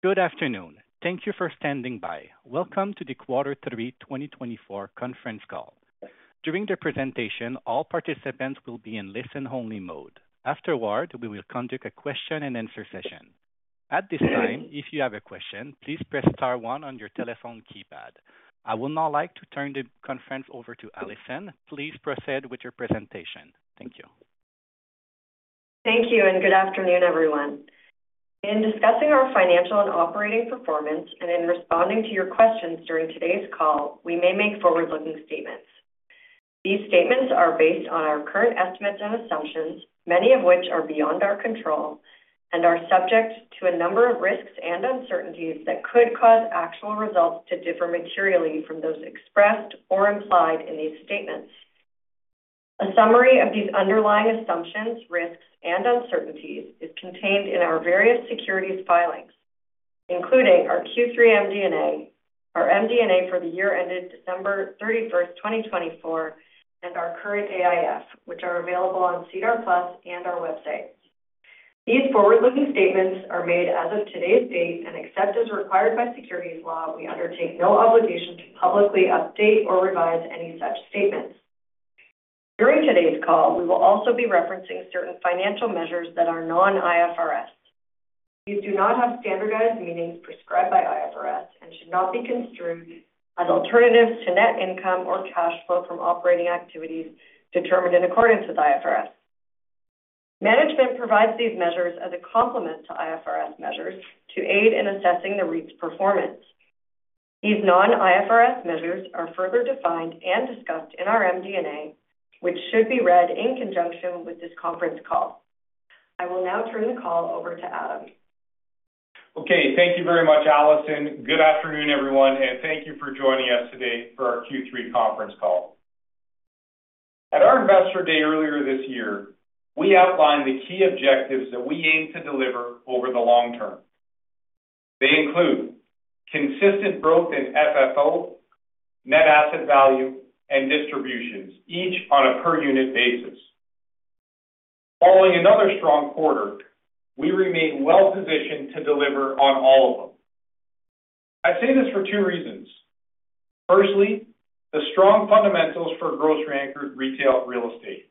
Good afternoon. Thank you for standing by. Welcome to the Quarter Three, 2024 Conference Call. During the presentation, all participants will be in listen-only mode. Afterward, we will conduct a question-and-answer session. At this time, if you have a question, please press star one on your telephone keypad. I would now like to turn the conference over to Alison. Please proceed with your presentation. Thank you. Thank you, and good afternoon, everyone. In discussing our financial and operating performance, and in responding to your questions during today's call, we may make forward-looking statements. These statements are based on our current estimates and assumptions, many of which are beyond our control, and are subject to a number of risks and uncertainties that could cause actual results to differ materially from those expressed or implied in these statements. A summary of these underlying assumptions, risks, and uncertainties is contained in our various securities filings, including our Q3 MD&A, our MD&A for the year ended December 31, 2024, and our current AIF, which are available on SEDAR+ and our website. These forward-looking statements are made as of today's date, and except as required by securities law, we undertake no obligation to publicly update or revise any such statements. During today's call, we will also be referencing certain financial measures that are non-IFRS. These do not have standardized meanings prescribed by IFRS and should not be construed as alternatives to net income or cash flow from operating activities determined in accordance with IFRS. Management provides these measures as a complement to IFRS measures to aid in assessing the REIT's performance. These non-IFRS measures are further defined and discussed in our MD&A, which should be read in conjunction with this conference call. I will now turn the call over to Adam. Okay. Thank you very much, Alison. Good afternoon, everyone, and thank you for joining us today for our Q3 conference call. At our investor day earlier this year, we outlined the key objectives that we aim to deliver over the long term. They include consistent growth in FFO, net asset value, and distributions, each on a per-unit basis. Following another strong quarter, we remain well-positioned to deliver on all of them. I say this for two reasons. Firstly, the strong fundamentals for grocery-anchored retail real estate.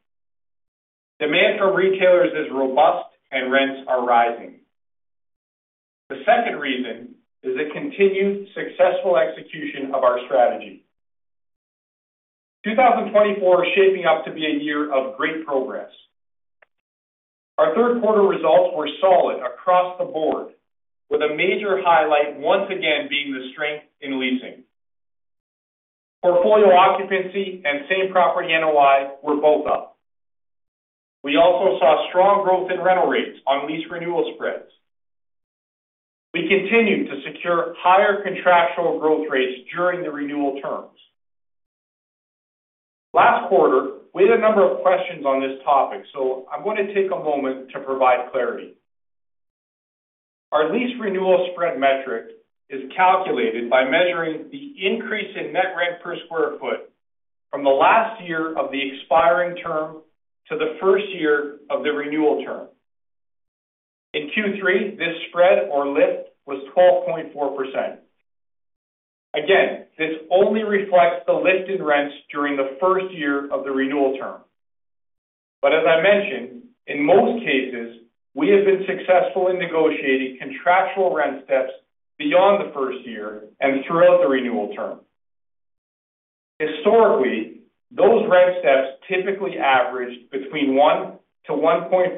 Demand for retailers is robust, and rents are rising. The second reason is the continued successful execution of our strategy. 2024 is shaping up to be a year of great progress. Our third quarter results were solid across the board, with a major highlight once again being the strength in leasing. Portfolio occupancy and same-property NOI were both up. We also saw strong growth in rental rates on lease renewal spreads. We continued to secure higher contractual growth rates during the renewal terms. Last quarter, we had a number of questions on this topic, so I'm going to take a moment to provide clarity. Our lease renewal spread metric is calculated by measuring the increase in net rent per sq ft from the last year of the expiring term to the first year of the renewal term. In Q3, this spread or lift was 12.4%. Again, this only reflects the lift in rents during the first year of the renewal term. But as I mentioned, in most cases, we have been successful in negotiating contractual rent steps beyond the first year and throughout the renewal term. Historically, those rent steps typically averaged between 1%-1.5%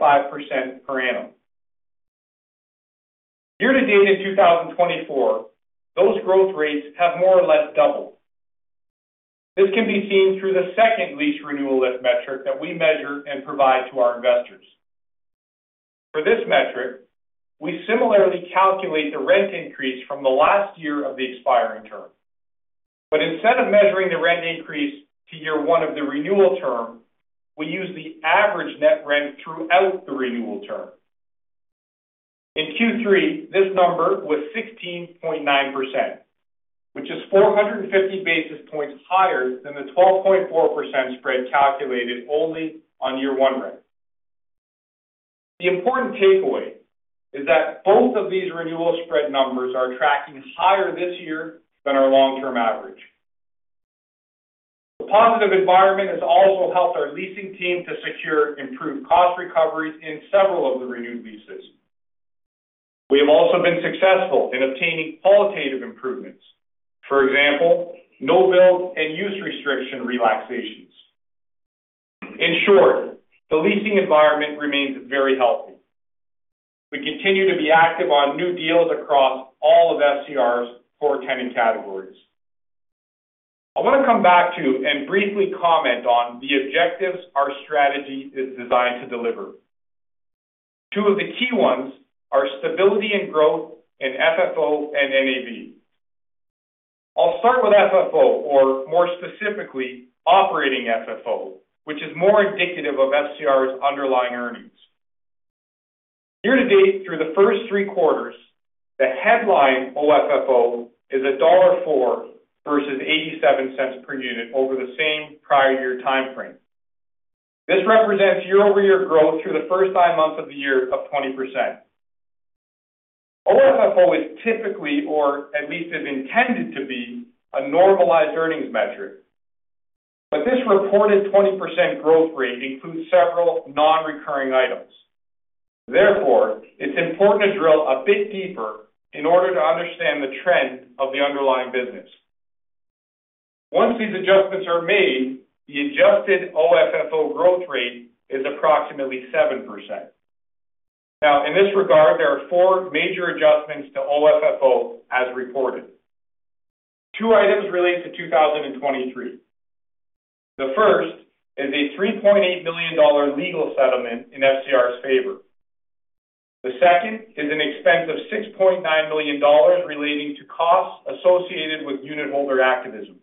per annum. Year to date in 2024, those growth rates have more or less doubled. This can be seen through the second lease renewal lift metric that we measure and provide to our investors. For this metric, we similarly calculate the rent increase from the last year of the expiring term. But instead of measuring the rent increase to year one of the renewal term, we use the average net rent throughout the renewal term. In Q3, this number was 16.9%, which is 450 basis points higher than the 12.4% spread calculated only on year one rent. The important takeaway is that both of these renewal spread numbers are tracking higher this year than our long-term average. The positive environment has also helped our leasing team to secure improved cost recoveries in several of the renewed leases. We have also been successful in obtaining qualitative improvements, for example, no-build and use restriction relaxations. In short, the leasing environment remains very healthy. We continue to be active on new deals across all of FCR's core tenant categories. I want to come back to and briefly comment on the objectives our strategy is designed to deliver. Two of the key ones are stability and growth in FFO and NAV. I'll start with FFO, or more specifically, operating FFO, which is more indicative of FCR's underlying earnings. Year to date, through the first three quarters, the headline OFFO is dollar 1.04 versus 0.87 per unit over the same prior year timeframe. This represents year-over-year growth through the first nine months of the year of 20%. OFFO is typically, or at least is intended to be, a normalized earnings metric. But this reported 20% growth rate includes several non-recurring items. Therefore, it's important to drill a bit deeper in order to understand the trend of the underlying business. Once these adjustments are made, the adjusted OFFO growth rate is approximately 7%. Now, in this regard, there are four major adjustments to OFFO as reported. Two items relate to 2023. The first is a 3.8 million dollar legal settlement in FCR's favor. The second is an expense of 6.9 million dollars relating to costs associated with unit holder activism.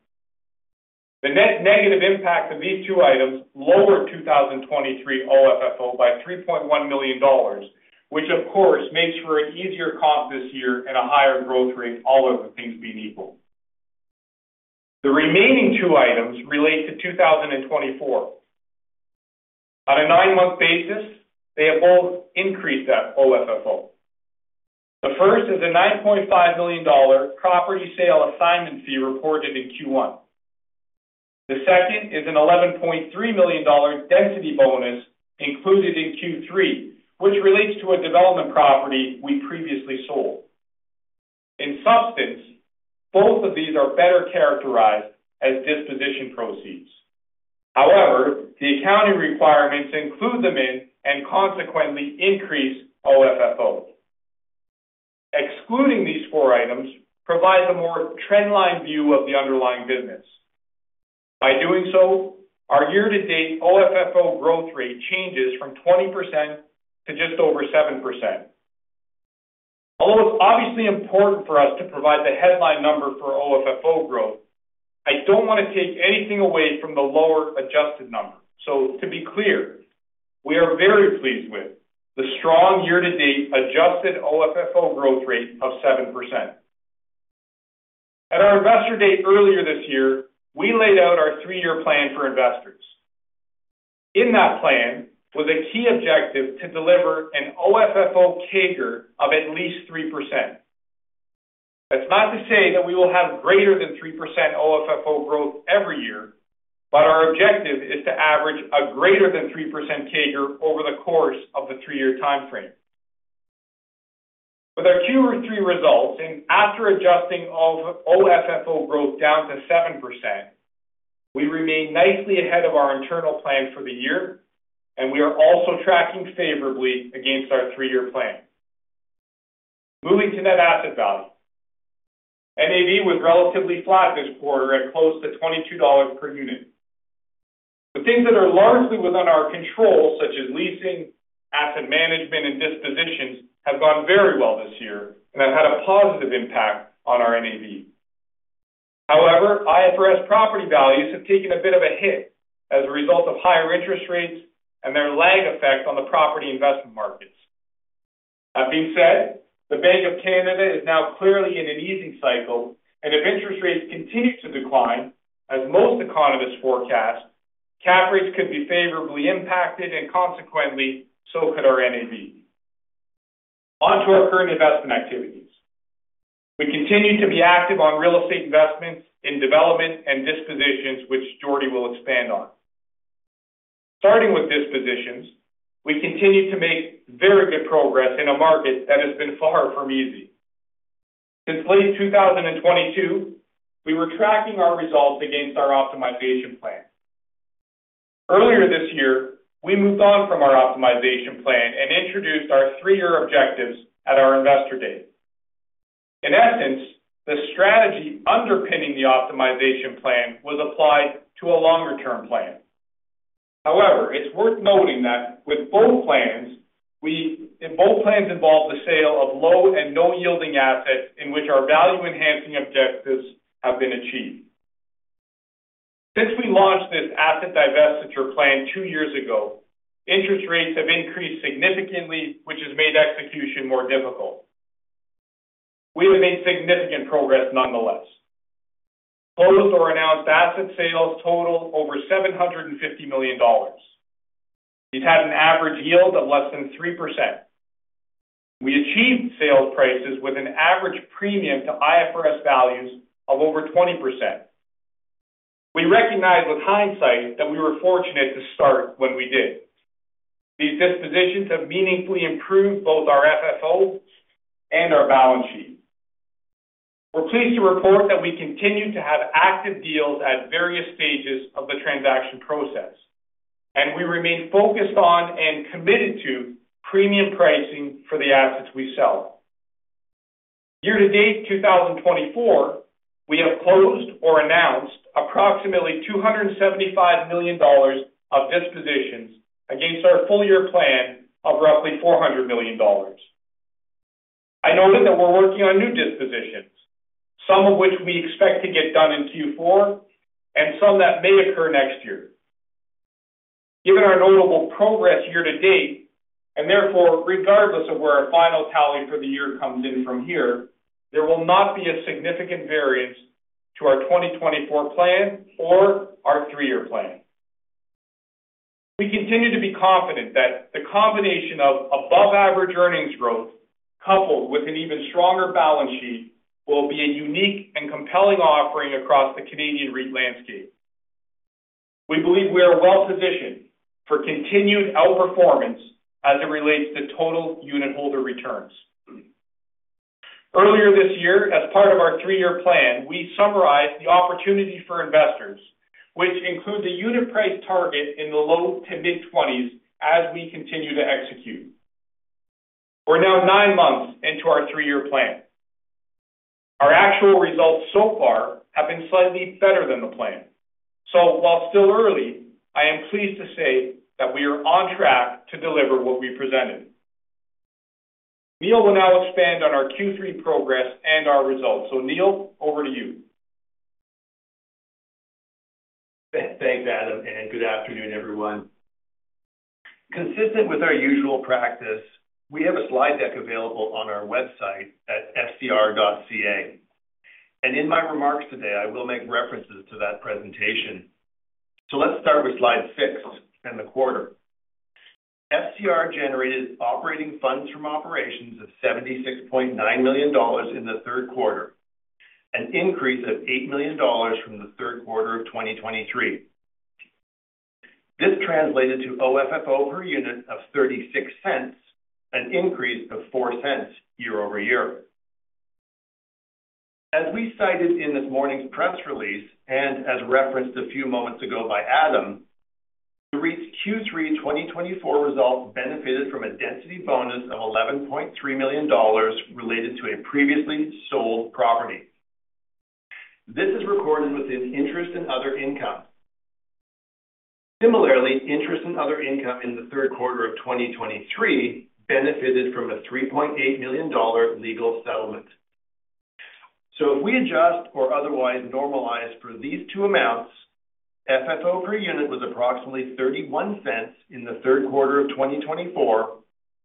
The net negative impact of these two items lowered 2023 OFFO by 3.1 million dollars, which, of course, makes for an easier comp this year and a higher growth rate all of the things being equal. The remaining two items relate to 2024. On a nine-month basis, they have both increased that OFFO. The first is a 9.5 million dollar property sale assignment fee reported in Q1. The second is a 11.3 million dollar density bonus included in Q3, which relates to a development property we previously sold. In substance, both of these are better characterized as disposition proceeds. However, the accounting requirements include them in and consequently increase OFFO. Excluding these four items provides a more trendline view of the underlying business. By doing so, our year-to-date OFFO growth rate changes from 20% to just over 7%. Although it's obviously important for us to provide the headline number for OFFO growth, I don't want to take anything away from the lower adjusted number. So, to be clear, we are very pleased with the strong year-to-date adjusted OFFO growth rate of 7%. At our investor day earlier this year, we laid out our three-year plan for investors. In that plan was a key objective to deliver an OFFO CAGR of at least 3%. That's not to say that we will have greater than 3% OFFO growth every year, but our objective is to average a greater than 3% CAGR over the course of the three-year timeframe. With our Q3 results and after adjusting OFFO growth down to 7%, we remain nicely ahead of our internal plan for the year, and we are also tracking favorably against our three-year plan. Moving to net asset value. NAV was relatively flat this quarter at close to 22 dollars per unit. The things that are largely within our control, such as leasing, asset management, and dispositions, have gone very well this year and have had a positive impact on our NAV. However, IFRS property values have taken a bit of a hit as a result of higher interest rates and their lag effect on the property investment markets. That being said, the Bank of Canada is now clearly in an easing cycle, and if interest rates continue to decline, as most economists forecast, cap rates could be favorably impacted, and consequently, so could our NAV. Onto our current investment activities. We continue to be active on real estate investments in development and dispositions, which Jordy will expand on. Starting with dispositions, we continue to make very good progress in a market that has been far from easy. Since late 2022, we were tracking our results against our optimization plan. Earlier this year, we moved on from our optimization plan and introduced our three-year objectives at our Investor Day in essence, the strategy underpinning the optimization plan was applied to a longer-term plan. However, it's worth noting that with both plans, both plans involve the sale of low and no-yielding assets in which our value-enhancing objectives have been achieved. Since we launched this asset divestiture plan two years ago, interest rates have increased significantly, which has made execution more difficult. We have made significant progress nonetheless. Closed or announced asset sales total over 750 million dollars. We've had an average yield of less than 3%. We achieved sales prices with an average premium to IFRS values of over 20%. We recognize with hindsight that we were fortunate to start when we did. These dispositions have meaningfully improved both our FFO and our balance sheet. We're pleased to report that we continue to have active deals at various stages of the transaction process, and we remain focused on and committed to premium pricing for the assets we sell. Year to date 2024, we have closed or announced approximately 275 million dollars of dispositions against our full-year plan of roughly 400 million dollars. I noted that we're working on new dispositions, some of which we expect to get done in Q4 and some that may occur next year. Given our notable progress year to date, and therefore, regardless of where our final tally for the year comes in from here, there will not be a significant variance to our 2024 plan or our three-year plan. We continue to be confident that the combination of above-average earnings growth coupled with an even stronger balance sheet will be a unique and compelling offering across the Canadian REIT landscape. We believe we are well-positioned for continued outperformance as it relates to total unit holder returns. Earlier this year, as part of our three-year plan, we summarized the opportunity for investors, which includes a unit price target in the low- to mid-20s as we continue to execute. We're now nine months into our three-year plan. Our actual results so far have been slightly better than the plan. So, while still early, I am pleased to say that we are on track to deliver what we presented. Neil will now expand on our Q3 progress and our results. So, Neil, over to you. Thanks, Adam, and good afternoon, everyone. Consistent with our usual practice, we have a slide deck available on our website at fcr.ca. And in my remarks today, I will make references to that presentation. So, let's start with slide six and the quarter. FCR generated operating funds from operations of 76.9 million dollars in the third quarter, an increase of 8 million dollars from the third quarter of 2023. This translated to OFFO per unit of 0.36, an increase of 0.04 year-over-year. As we cited in this morning's press release and as referenced a few moments ago by Adam, the REIT's Q3 2024 results benefited from a density bonus of 11.3 million dollars related to a previously sold property. This is recorded within interest and other income. Similarly, interest and other income in the third quarter of 2023 benefited from a 3.8 million dollar legal settlement. So, if we adjust or otherwise normalize for these two amounts, FFO per unit was approximately 0.31 in the third quarter of 2024,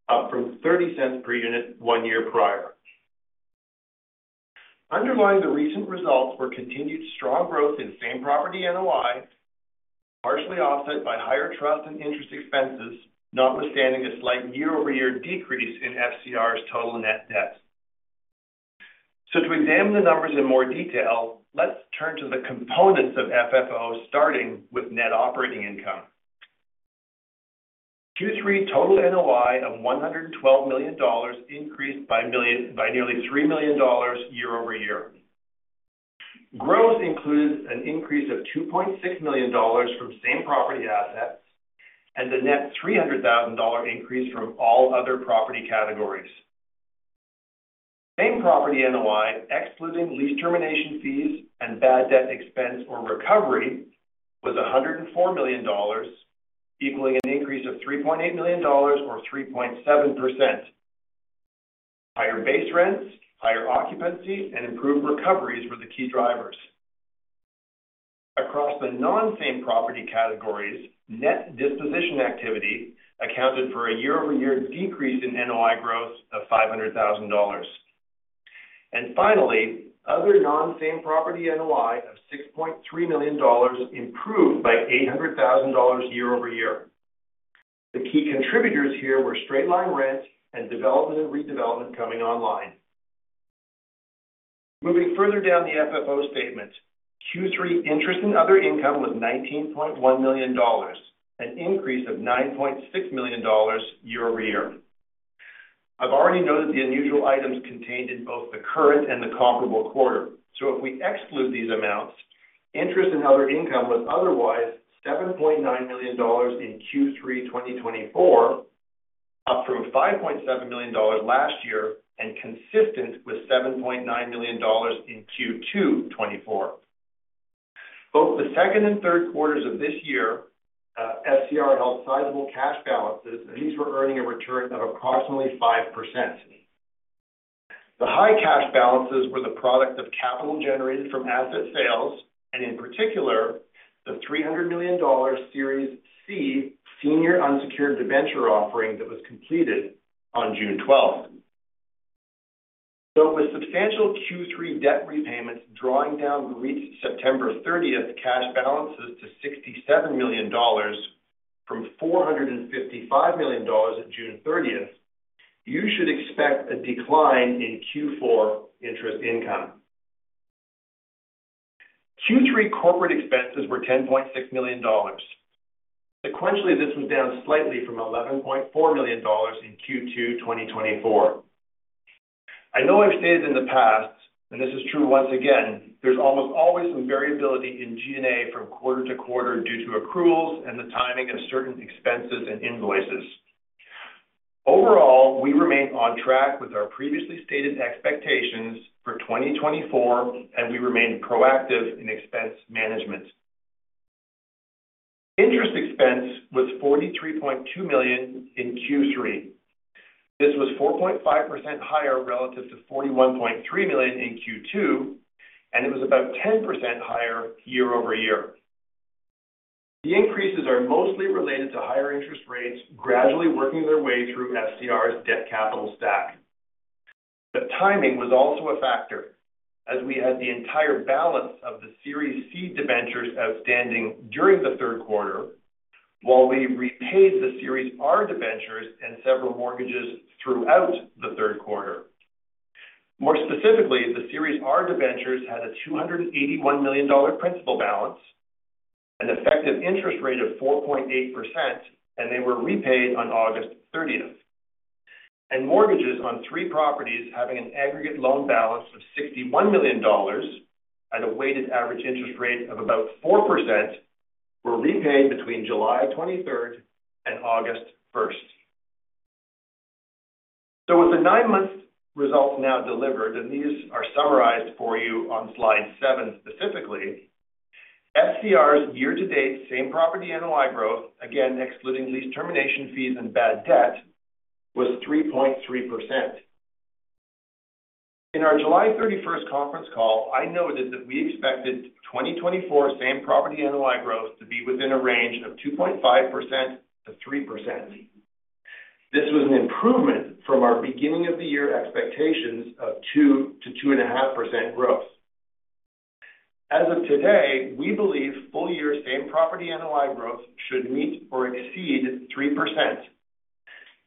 up from 0.30 per unit one year prior. Underlying the recent results were continued strong growth in same property NOI, partially offset by higher trust and interest expenses, notwithstanding a slight year-over-year decrease in FCR's total net debt, so to examine the numbers in more detail, let's turn to the components of FFO, starting with net operating income. Q3 total NOI of 112 million dollars increased by nearly 3 million dollars year-over-year. Growth included an increase of 2.6 million dollars from same property assets and the net 300,000 dollar increase from all other property categories. Same property NOI, excluding lease termination fees and bad debt expense or recovery, was 104 million dollars, equaling an increase of 3.8 million dollars or 3.7%. Higher base rents, higher occupancy, and improved recoveries were the key drivers. Across the non-same property categories, net disposition activity accounted for a year-over-year decrease in NOI growth of 500,000 dollars. Finally, other non-same property NOI of 6.3 million dollars improved by 800,000 dollars year-over-year. The key contributors here were straight-line rents and development and redevelopment coming online. Moving further down the FFO statement, Q3 interest and other income was 19.1 million dollars, an increase of 9.6 million dollars year-over-year. I've already noted the unusual items contained in both the current and the comparable quarter. So, if we exclude these amounts, interest and other income was otherwise 7.9 million dollars in Q3 2024, up from 5.7 million dollars last year and consistent with 7.9 million dollars in Q2 2024. Both the second and third quarters of this year, FCR held sizable cash balances, and these were earning a return of approximately 5%. The high cash balances were the product of capital generated from asset sales and, in particular, the 300 million dollar Series C Senior Unsecured Debenture offering that was completed on June 12th. With substantial Q3 debt repayments drawing down the REIT's September 30th cash balances to 67 million dollars from 455 million dollars at June 30th, you should expect a decline in Q4 interest income. Q3 corporate expenses were 10.6 million dollars. Sequentially, this was down slightly from 11.4 million dollars in Q2 2024. I know I've stated in the past, and this is true once again, there's almost always some variability in G&A from quarter to quarter due to accruals and the timing of certain expenses and invoices. Overall, we remained on track with our previously stated expectations for 2024, and we remained proactive in expense management. Interest expense was 43.2 million in Q3. This was 4.5% higher relative to 41.3 million in Q2, and it was about 10% higher year-over-year. The increases are mostly related to higher interest rates gradually working their way through FCR's debt capital stack. The timing was also a factor, as we had the entire balance of the Series C debentures outstanding during the third quarter, while we repaid the Series R debentures and several mortgages throughout the third quarter. More specifically, the Series R debentures had a $281 million principal balance, an effective interest rate of 4.8%, and they were repaid on August 30th, and mortgages on three properties having an aggregate loan balance of $61 million at a weighted average interest rate of about 4% were repaid between July 23rd and August 1st, so, with the nine-month results now delivered, and these are summarized for you on slide seven specifically, FCR's year-to-date Same Property NOI growth, again excluding lease termination fees and bad debt, was 3.3%. In our July 31st conference call, I noted that we expected 2024 Same Property NOI growth to be within a range of 2.5% to 3%. This was an improvement from our beginning of the year expectations of 2%-2.5% growth. As of today, we believe full-year Same Property NOI growth should meet or exceed 3%.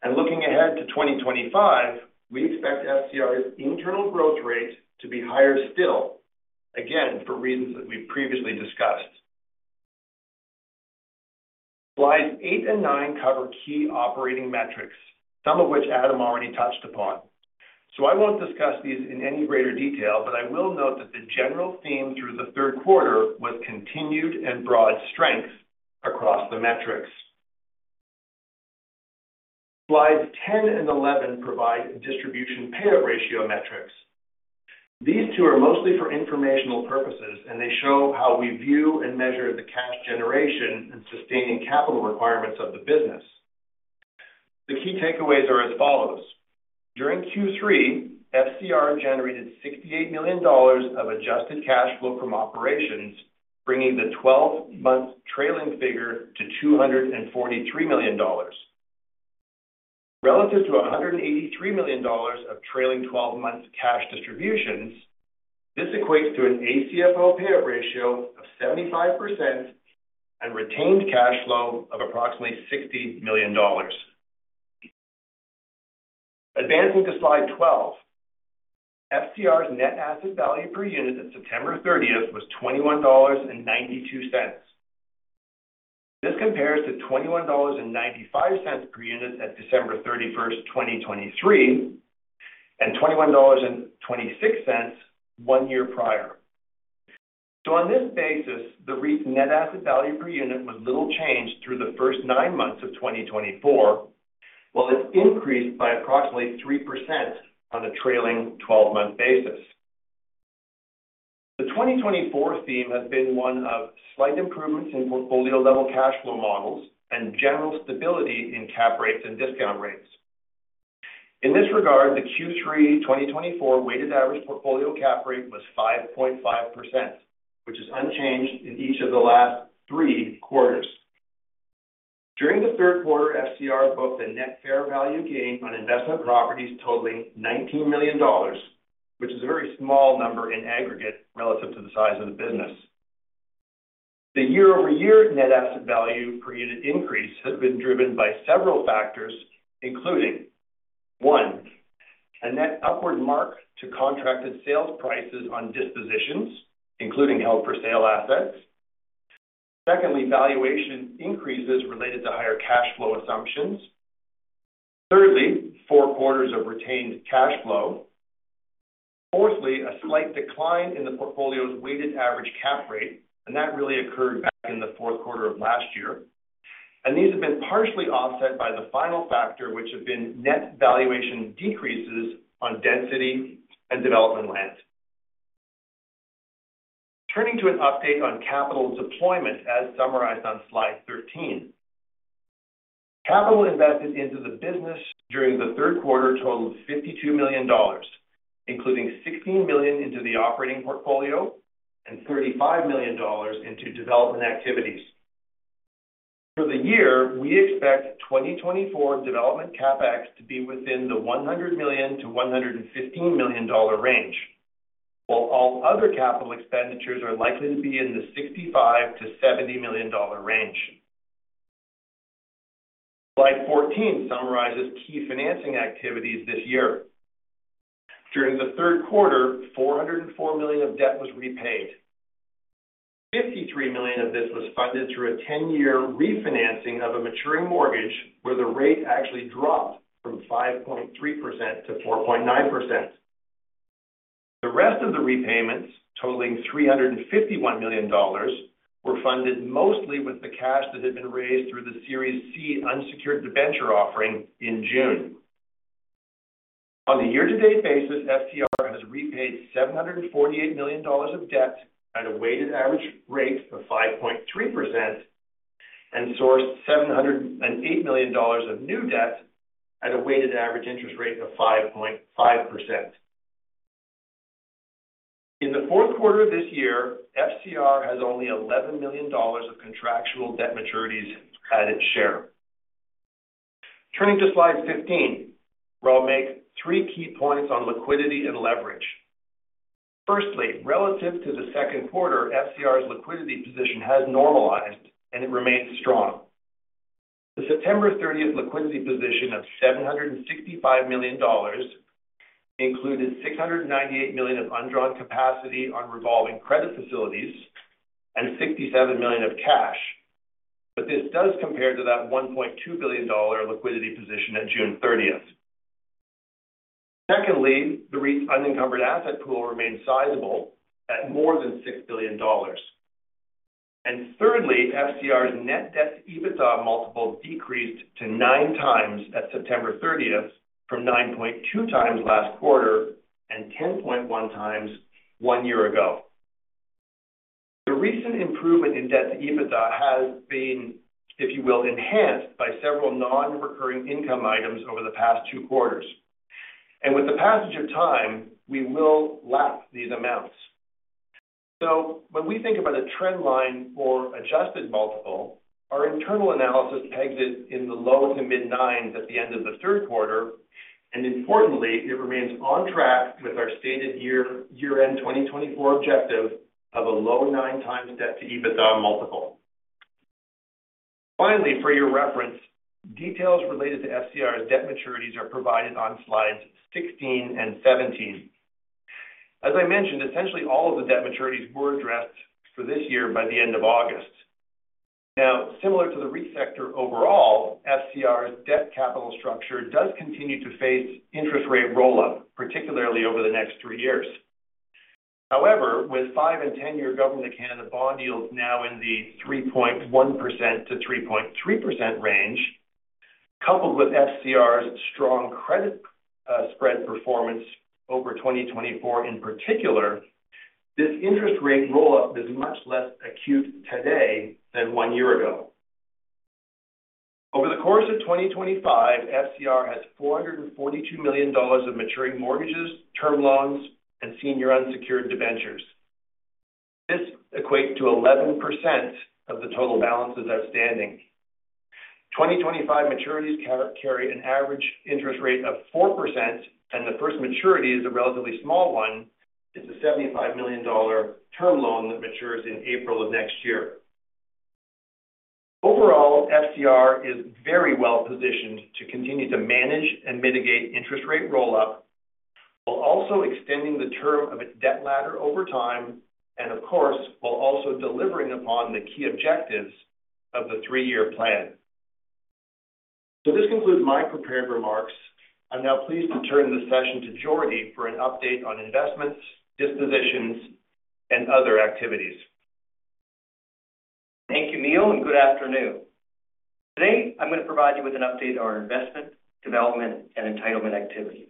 And looking ahead to 2025, we expect FCR's internal growth rate to be higher still, again for reasons that we've previously discussed. Slides eight and nine cover key operating metrics, some of which Adam already touched upon. So, I won't discuss these in any greater detail, but I will note that the general theme through the third quarter was continued and broad strength across the metrics. Slides 10 and 11 provide distribution payout ratio metrics. These two are mostly for informational purposes, and they show how we view and measure the cash generation and sustaining capital requirements of the business. The key takeaways are as follows. During Q3, FCR generated 68 million dollars of adjusted cash flow from operations, bringing the 12-month trailing figure to 243 million dollars. Relative to 183 million dollars of trailing 12-month cash distributions, this equates to an ACFO payout ratio of 75% and retained cash flow of approximately 60 million dollars. Advancing to slide 12, FCR's net asset value per unit at September 30th was 21.92 dollars. This compares to 21.95 dollars per unit at December 31st, 2023, and 21.26 dollars one year prior. So, on this basis, the REIT's net asset value per unit was little changed through the first nine months of 2024, while it's increased by approximately 3% on a trailing 12-month basis. The 2024 theme has been one of slight improvements in portfolio-level cash flow models and general stability in cap rates and discount rates. In this regard, the Q3 2024 weighted average portfolio cap rate was 5.5%, which is unchanged in each of the last three quarters. During the third quarter, FCR booked a net fair value gain on investment properties totaling 19 million dollars, which is a very small number in aggregate relative to the size of the business. The year-over-year net asset value per unit increase has been driven by several factors, including: one, a net upward mark to contracted sales prices on dispositions, including held-for-sale assets. Secondly, valuation increases related to higher cash flow assumptions. Thirdly, four quarters of retained cash flow. Fourthly, a slight decline in the portfolio's weighted average cap rate, and that really occurred back in the fourth quarter of last year, and these have been partially offset by the final factor, which have been net valuation decreases on density and development land. Turning to an update on capital deployment, as summarized on slide 13, capital invested into the business during the third quarter totaled 52 million dollars, including 16 million into the operating portfolio and 35 million dollars into development activities. For the year, we expect 2024 development CapEx to be within the 100 million-115 million dollar range, while all other capital expenditures are likely to be in the 65 million-70 million dollar range. Slide 14 summarizes key financing activities this year. During the third quarter, 404 million of debt was repaid. 53 million of this was funded through a 10-year refinancing of a maturing mortgage, where the rate actually dropped from 5.3% to 4.9%. The rest of the repayments, totaling 351 million dollars, were funded mostly with the cash that had been raised through the Series C unsecured debenture offering in June. On the year-to-date basis, FCR has repaid 748 million dollars of debt at a weighted average rate of 5.3% and sourced 708 million dollars of new debt at a weighted average interest rate of 5.5%. In the fourth quarter of this year, FCR has only 11 million dollars of contractual debt maturities at its share. Turning to slide 15, where I'll make three key points on liquidity and leverage. Firstly, relative to the second quarter, FCR's liquidity position has normalized, and it remains strong. The September 30th liquidity position of 765 million dollars included 698 million of undrawn capacity on revolving credit facilities and 67 million of cash, but this does compare to that 1.2 billion dollar liquidity position at June 30th. Secondly, the REIT's unencumbered asset pool remained sizable at more than 6 billion dollars. And thirdly, FCR's net debt to EBITDA multiple decreased to nine times at September 30th from 9.2 times last quarter and 10.1 times one year ago. The recent improvement in debt to EBITDA has been, if you will, enhanced by several non-recurring income items over the past two quarters. And with the passage of time, we will lap these amounts. So, when we think about a trend line for adjusted multiple, our internal analysis pegs it in the low to mid-9s at the end of the third quarter. And importantly, it remains on track with our stated year-end 2024 objective of a low nine times debt to EBITDA multiple. Finally, for your reference, details related to FCR's debt maturities are provided on slides 16 and 17. As I mentioned, essentially all of the debt maturities were addressed for this year by the end of August. Now, similar to the REIT sector overall, FCR's debt capital structure does continue to face interest rate roll-up, particularly over the next three years. However, with five and 10-year Government of Canada bond yields now in the 3.1%-3.3% range, coupled with FCR's strong credit spread performance over 2024 in particular, this interest rate roll-up is much less acute today than one year ago. Over the course of 2025, FCR has 442 million dollars of maturing mortgages, term loans, and senior unsecured debentures. This equates to 11% of the total balances outstanding. 2025 maturities carry an average interest rate of 4%, and the first maturity is a relatively small one. It's a 75 million dollar term loan that matures in April of next year. Overall, FCR is very well positioned to continue to manage and mitigate interest rate roll-up, while also extending the term of its debt ladder over time, and of course, while also delivering upon the key objectives of the three-year plan. So, this concludes my prepared remarks. I'm now pleased to turn the session to Jordy for an update on investments, dispositions, and other activities. Thank you, Neil, and good afternoon. Today, I'm going to provide you with an update on our investment, development, and entitlement activities.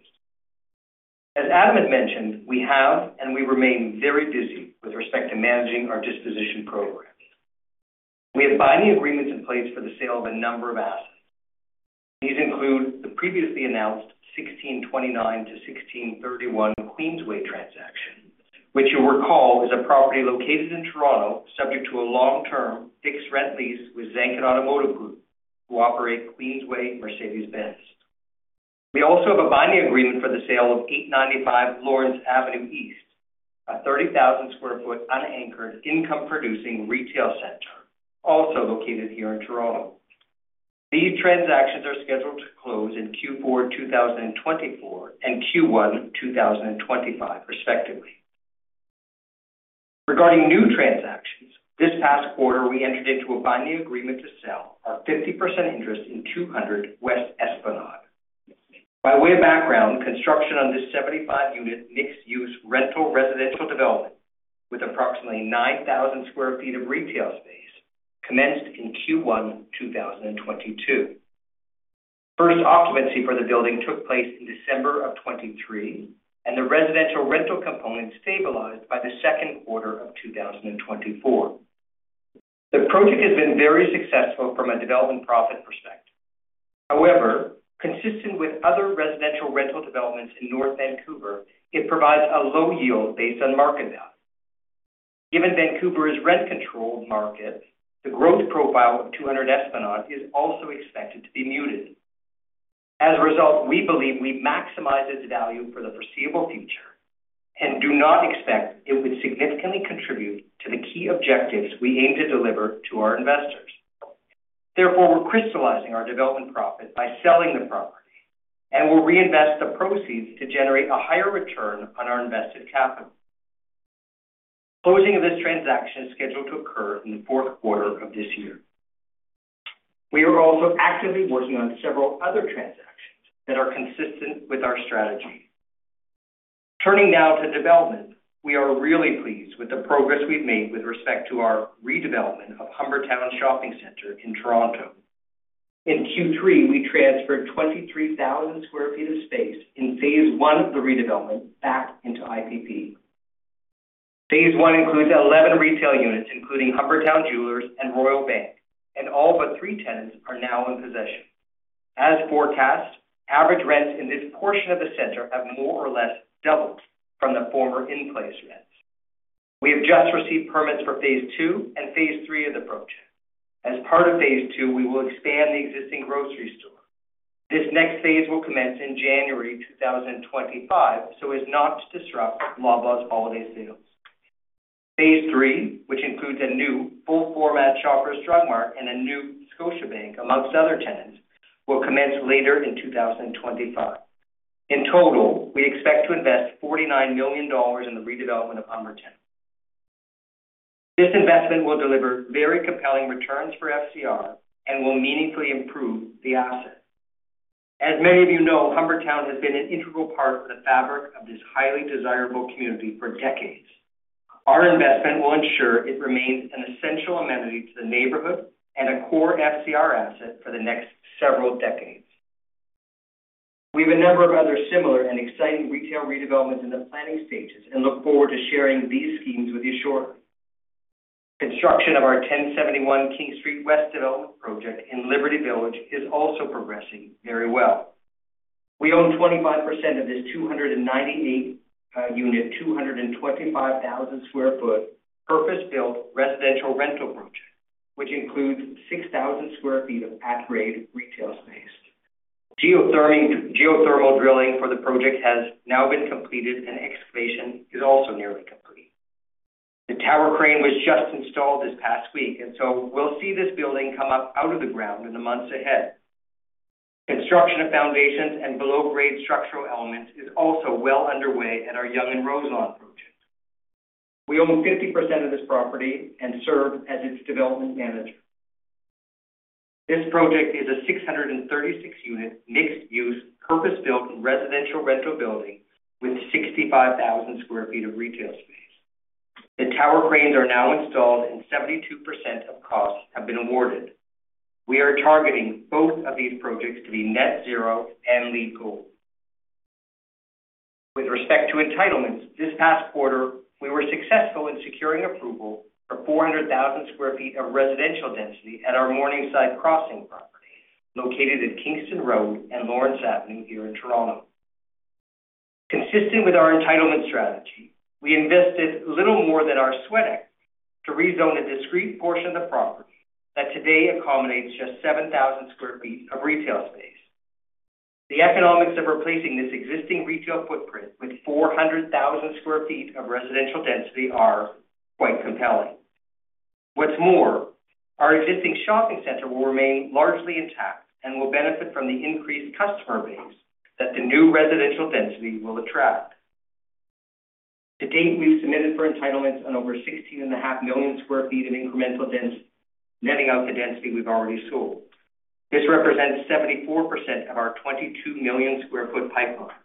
As Adam had mentioned, we have and we remain very busy with respect to managing our disposition program. We have binding agreements in place for the sale of a number of assets. These include the previously announced 1629-1631 The Queensway transaction, which you'll recall is a property located in Toronto, subject to a long-term fixed rent lease with Zanchin Automotive Group, who operate Queensway Mercedes-Benz. We also have a binding agreement for the sale of 895 Lawrence Avenue East, a 30,000 sq ft unanchored income-producing retail center, also located here in Toronto. These transactions are scheduled to close in Q4 2024 and Q1 2025, respectively. Regarding new transactions, this past quarter, we entered into a binding agreement to sell our 50% interest in 200 West Esplanade. By way of background, construction on this 75-unit mixed-use rental residential development with approximately 9,000 sq ft of retail space commenced in Q1 2022. First occupancy for the building took place in December of 2023, and the residential rental component stabilized by the second quarter of 2024. The project has been very successful from a development profit perspective. However, consistent with other residential rental developments in North Vancouver, it provides a low yield based on market value. Given Vancouver's rent-controlled market, the growth profile of 200 West Esplanade is also expected to be muted. As a result, we believe we maximize its value for the foreseeable future and do not expect it would significantly contribute to the key objectives we aim to deliver to our investors. Therefore, we're crystallizing our development profit by selling the property, and we'll reinvest the proceeds to generate a higher return on our invested capital. Closing of this transaction is scheduled to occur in the fourth quarter of this year. We are also actively working on several other transactions that are consistent with our strategy. Turning now to development, we are really pleased with the progress we've made with respect to our redevelopment of Humbertown Shopping Center in Toronto. In Q3, we transferred 23,000 sq ft of space in phase I of the redevelopment back into IPP. Phase I includes 11 retail units, including Humbertown Jewellers and Royal Bank, and all but three tenants are now in possession. As forecast, average rents in this portion of the center have more or less doubled from the former in-place rents. We have just received permits for phase two and phase three of the project. As part of phase two, we will expand the existing grocery store. This next phase will commence in January 2025, so as not to disrupt Loblaw's holiday sales. Phase three, which includes a new full-format Shoppers Drug Mart and a new ScotiaBank among other tenants, will commence later in 2025. In total, we expect to invest 49 million dollars in the redevelopment of Humbertown. This investment will deliver very compelling returns for FCR and will meaningfully improve the asset. As many of you know, Humbertown has been an integral part of the fabric of this highly desirable community for decades. Our investment will ensure it remains an essential amenity to the neighborhood and a core FCR asset for the next several decades. We have a number of other similar and exciting retail redevelopments in the planning stages and look forward to sharing these schemes with you shortly. Construction of our 1071 King Street West development project in Liberty Village is also progressing very well. We own 25% of this 298-unit 225,000 sq ft purpose-built residential rental project, which includes 6,000 sq ft of at-grade retail space. Geothermal drilling for the project has now been completed, and excavation is also nearly complete. The tower crane was just installed this past week, and so we'll see this building come up out of the ground in the months ahead. Construction of foundations and below-grade structural elements is also well underway at our Yonge & Roselawn project. We own 50% of this property and serve as its development manager. This project is a 636-unit mixed-use purpose-built residential rental building with 65,000 sq ft of retail space. The tower cranes are now installed, and 72% of costs have been awarded. We are targeting both of these projects to be net zero and LEED. With respect to entitlements, this past quarter, we were successful in securing approval for 400,000 sq ft of residential density at our Morningside Crossing property located at Kingston Road and Lawrence Avenue here in Toronto. Consistent with our entitlement strategy, we invested little more than our sweat equity to rezone a discrete portion of the property that today accommodates just 7,000 sq ft of retail space. The economics of replacing this existing retail footprint with 400,000 sq ft of residential density are quite compelling. What's more, our existing shopping center will remain largely intact and will benefit from the increased customer base that the new residential density will attract. To date, we've submitted for entitlements on over 16.5 million sq ft of incremental density, netting out the density we've already sold. This represents 74% of our 22 million sq ft pipeline.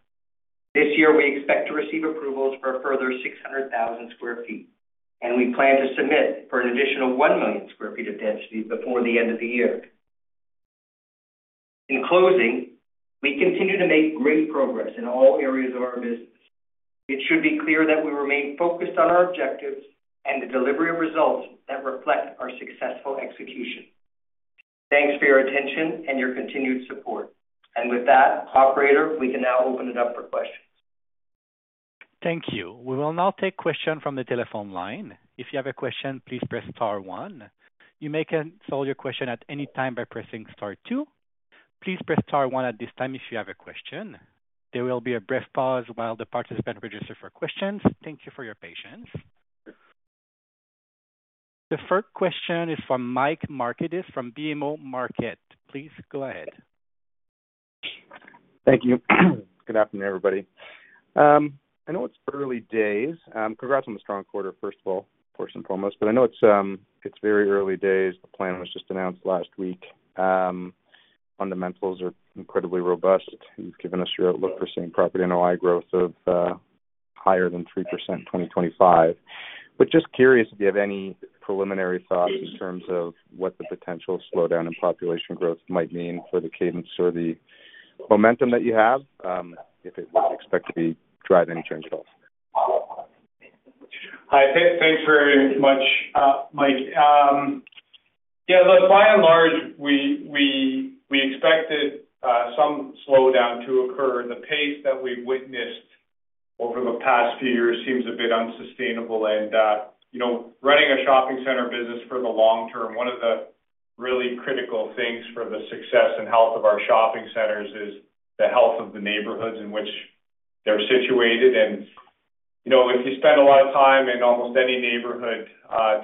This year, we expect to receive approvals for a further 600,000 sq ft, and we plan to submit for an additional 1 million sq ft of density before the end of the year. In closing, we continue to make great progress in all areas of our business. It should be clear that we remain focused on our objectives and the delivery of results that reflect our successful execution. Thanks for your attention and your continued support, and with that, Operator, we can now open it up for questions. Thank you. We will now take questions from the telephone line. If you have a question, please press star one. You may cancel your question at any time by pressing star two. Please press star one at this time if you have a question. There will be a brief pause while the participants register for questions. Thank you for your patience. The first question is from Mike Markidis from BMO Capital Markets. Please go ahead. Thank you. Good afternoon, everybody. I know it's early days. Congrats on the strong quarter, first of all, first and foremost. I know it's very early days. The plan was just announced last week. Fundamentals are incredibly robust. You've given us your outlook for seeing property and NOI growth of higher than 3% in 2025. But just curious if you have any preliminary thoughts in terms of what the potential slowdown in population growth might mean for the cadence or the momentum that you have, if it would expect to be driving change at all. Hi. Thanks very much, Mike. Yeah, look, by and large, we expected some slowdown to occur. The pace that we've witnessed over the past few years seems a bit unsustainable. Running a shopping center business for the long term, one of the really critical things for the success and health of our shopping centers is the health of the neighborhoods in which they're situated. If you spend a lot of time in almost any neighborhood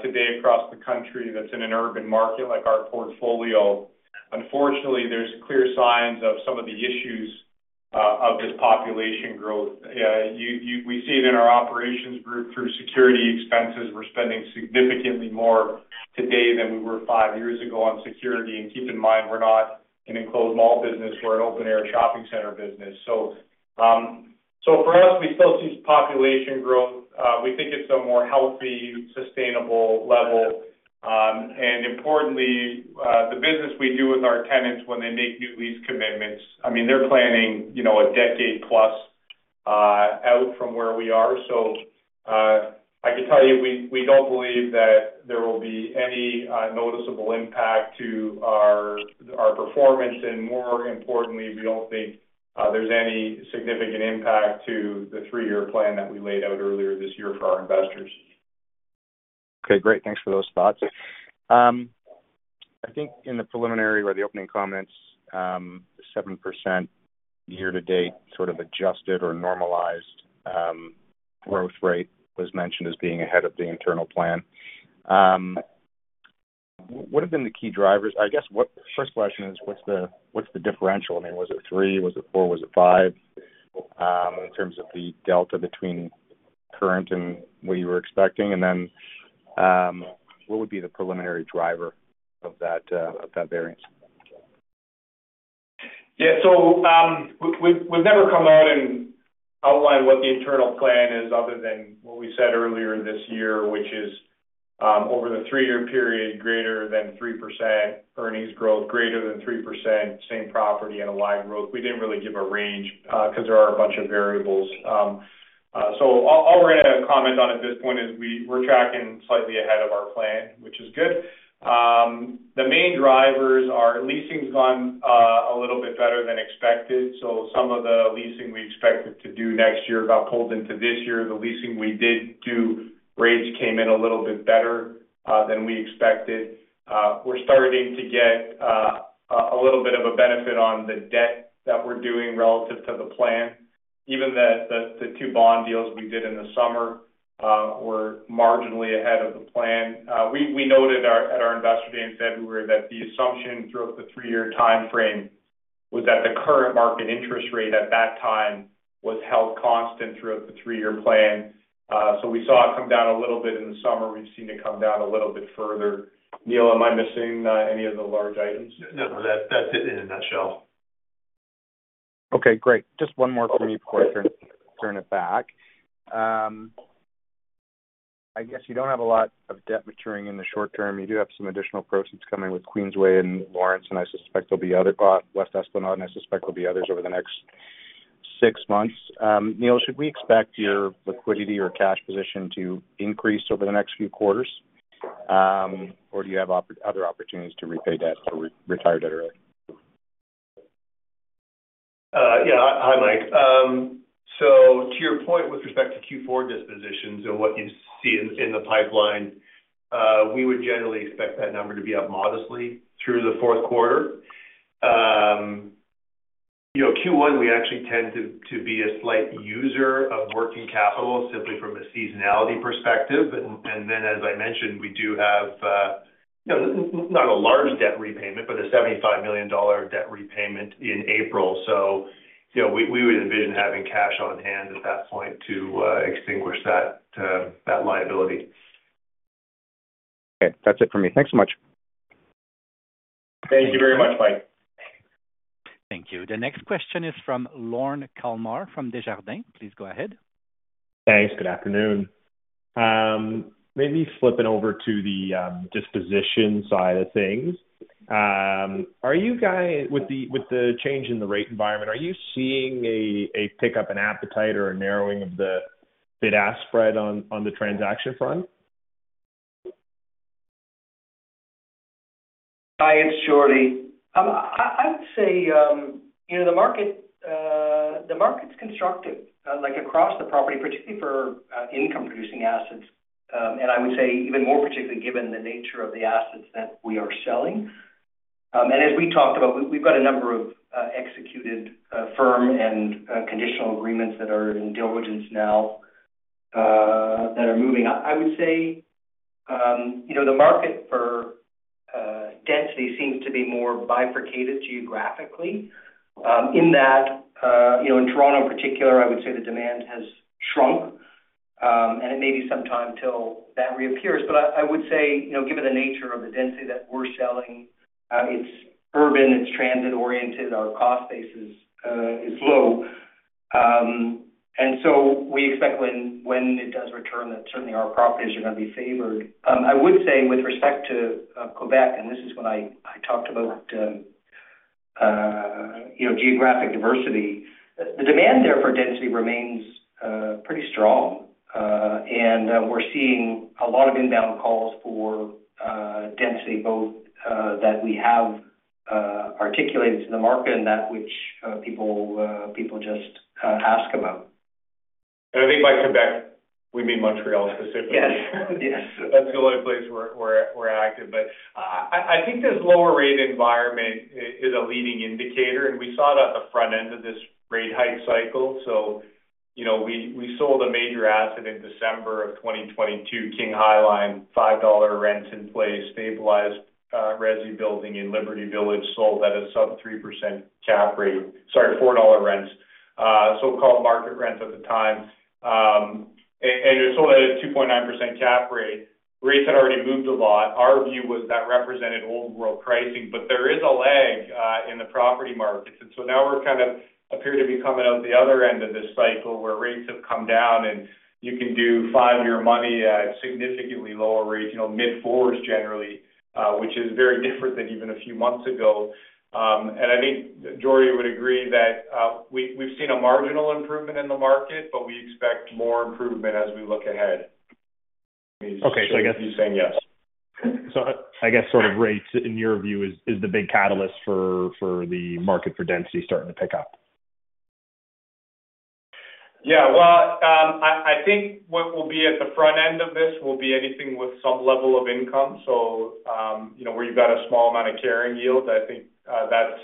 today across the country that's in an urban market like our portfolio, unfortunately, there's clear signs of some of the issues of this population growth. We see it in our operations group through security expenses. We're spending significantly more today than we were five years ago on security. And keep in mind, we're not an enclosed mall business. We're an open-air shopping center business. So for us, we still see population growth. We think it's a more healthy, sustainable level. And importantly, the business we do with our tenants when they make new lease commitments, I mean, they're planning a decade-plus out from where we are. So I can tell you we don't believe that there will be any noticeable impact to our performance. And more importantly, we don't think there's any significant impact to the three-year plan that we laid out earlier this year for our investors. Okay. Great. Thanks for those thoughts. I think in the preliminary or the opening comments, 7% year-to-date sort of adjusted or normalized growth rate was mentioned as being ahead of the internal plan. What have been the key drivers? I guess first question is, what's the differential? I mean, was it three? Was it four? Was it five in terms of the delta between current and what you were expecting? And then what would be the preliminary driver of that variance? Yeah. So we've never come out and outlined what the internal plan is other than what we said earlier this year, which is over the three-year period, greater than 3% earnings growth, greater than 3% same property NOI growth. We didn't really give a range because there are a bunch of variables. So all we're going to comment on at this point is we're tracking slightly ahead of our plan, which is good. The main drivers are leasing's gone a little bit better than expected. So some of the leasing we expected to do next year got pulled into this year. The leasing we did do rates came in a little bit better than we expected. We're starting to get a little bit of a benefit on the debt that we're doing relative to the plan. Even the two bond deals we did in the summer were marginally ahead of the plan. We noted at our investor day in February that the assumption throughout the three-year timeframe was that the current market interest rate at that time was held constant throughout the three-year plan. So we saw it come down a little bit in the summer. We've seen it come down a little bit further. Neil, am I missing any of the large items? No, that's it in a nutshell. Okay. Great. Just one more for me before I turn it back. I guess you don't have a lot of debt maturing in the short term. You do have some additional proceeds coming with Queensway and Lawrence, and I suspect there'll be other West Esplanade, and I suspect there'll be others over the next six months. Neil, should we expect your liquidity or cash position to increase over the next few quarters, or do you have other opportunities to repay debt or retire debt early? Yeah. Hi, Mike. To your point with respect to Q4 dispositions and what you see in the pipeline, we would generally expect that number to be up modestly through the fourth quarter. Q1, we actually tend to be a slight user of working capital simply from a seasonality perspective. And then, as I mentioned, we do have not a large debt repayment, but a 75 million dollar debt repayment in April. So we would envision having cash on hand at that point to extinguish that liability. Okay. That's it for me. Thanks so much. Thank you very much, Mike. Thank you. The next question is from Lorne Kalmar from Desjardins. Please go ahead. Thanks. Good afternoon. Maybe flipping over to the disposition side of things. With the change in the rate environment, are you seeing a pickup in appetite or a narrowing of the bid-ask spread on the transaction front? Hi. It's Jordy. I would say the market's constructive across the property, particularly for income-producing assets. And I would say even more particularly given the nature of the assets that we are selling. And as we talked about, we've got a number of executed firm and conditional agreements that are in diligence now that are moving. I would say the market for density seems to be more bifurcated geographically in that in Toronto, in particular, I would say the demand has shrunk, and it may be some time till that reappears. But I would say, given the nature of the density that we're selling, it's urban. It's transit-oriented. Our cost base is low. And so we expect when it does return, that certainly our properties are going to be favored. I would say with respect to Quebec, and this is when I talked about geographic diversity, the demand there for density remains pretty strong. And we're seeing a lot of inbound calls for density, both that we have articulated to the market and that which people just ask about. And I think by Quebec, we mean Montreal specifically. Yes. Yes. That's the only place we're active. But I think this lower rate environment is a leading indicator. And we saw it at the front end of this rate hike cycle. So we sold a major asset in December of 2022, King Highline, 5 dollar rents in place, stabilized resi building in Liberty Village, sold at a sub-3% cap rate. Sorry, 4 dollar rents, so-called market rents at the time. And it was sold at a 2.9% cap rate. Rates had already moved a lot. Our view was that represented old-world pricing. But there is a lag in the property markets. And so now we're kind of appear to be coming out the other end of this cycle where rates have come down, and you can do five-year money at significantly lower rates, mid-fours, generally, which is very different than even a few months ago. And I think Jordy would agree that we've seen a marginal improvement in the market, but we expect more improvement as we look ahead. Okay. So I guess sort of rates, in your view, is the big catalyst for the market for density starting to pick up? Yeah. Well, I think what will be at the front end of this will be anything with some level of income. So where you've got a small amount of carrying yield, I think that's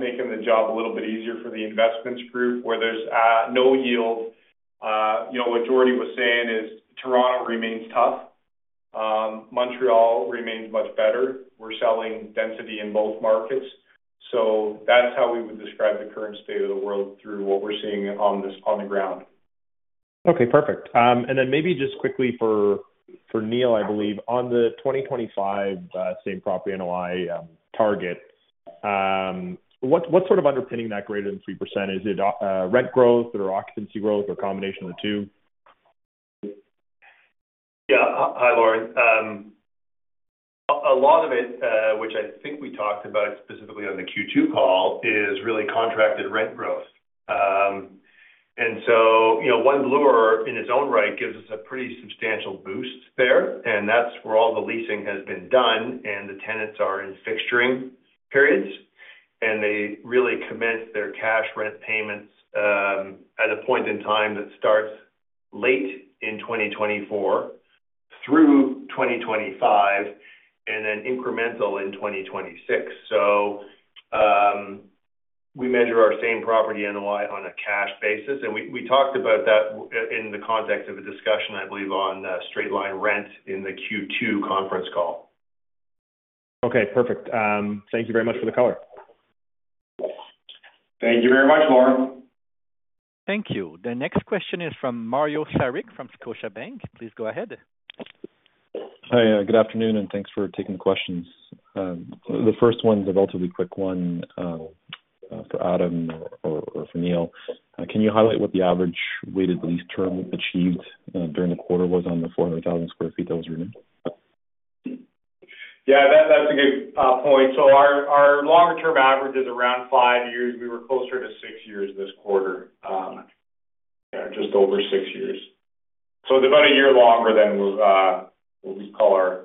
making the job a little bit easier for the investments group. Where there's no yield, what Jordy was saying is Toronto remains tough. Montreal remains much better. We're selling density in both markets. So that's how we would describe the current state of the world through what we're seeing on the ground. Okay. Perfect. And then maybe just quickly for Neil, I believe, on the 2025 same property NOI target, what's sort of underpinning that greater than 3%? Is it rent growth or occupancy growth or a combination of the two? Yeah. Hi, Lorne. A lot of it, which I think we talked about specifically on the Q2 call, is really contracted rent growth. And so One Bloor East, in its own right, gives us a pretty substantial boost there. That's where all the leasing has been done. The tenants are in fixturing periods. They really commence their cash rent payments at a point in time that starts late in 2024 through 2025 and then incremental in 2026. We measure our same property NOI on a cash basis. We talked about that in the context of a discussion, I believe, on straight-line rent in the Q2 conference call. Okay. Perfect. Thank you very much for the color. Thank you very much, Lorne. Thank you. The next question is from Mario Saric from Scotiabank. Please go ahead. Hi. Good afternoon. Thanks for taking the questions. The first one's a relatively quick one for Adam or for Neil. Can you highlight what the average weighted lease term achieved during the quarter was on the 400,000 sq ft that was renewed? Yeah. That's a good point. So our longer-term average is around five years. We were closer to six years this quarter, just over six years. So it's about a year longer than what we call our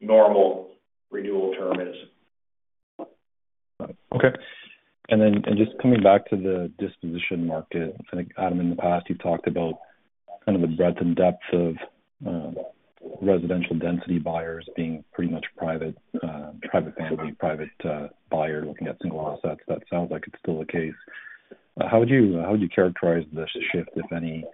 normal renewal term is. Okay. And then just coming back to the disposition market, I think, Adam, in the past, you've talked about kind of the breadth and depth of residential density buyers being pretty much private family, private buyer looking at single assets. That sounds like it's still the case. How would you characterize this shift, if any,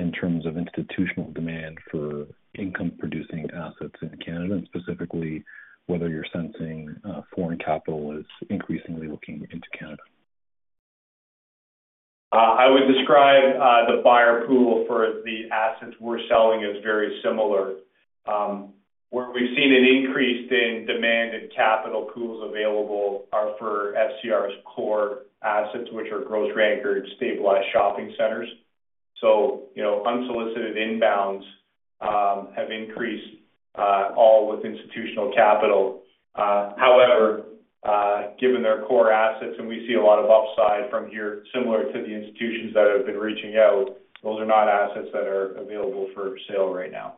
in terms of institutional demand for income-producing assets in Canada and specifically whether you're sensing foreign capital is increasingly looking into Canada? I would describe the buyer pool for the assets we're selling as very similar. Where we've seen an increase in demand and capital pools available are for FCR's core assets, which are grocery-anchored, stabilized shopping centers. So unsolicited inbounds have increased, all with institutional capital. However, given their core assets, and we see a lot of upside from here, similar to the institutions that have been reaching out, those are not assets that are available for sale right now.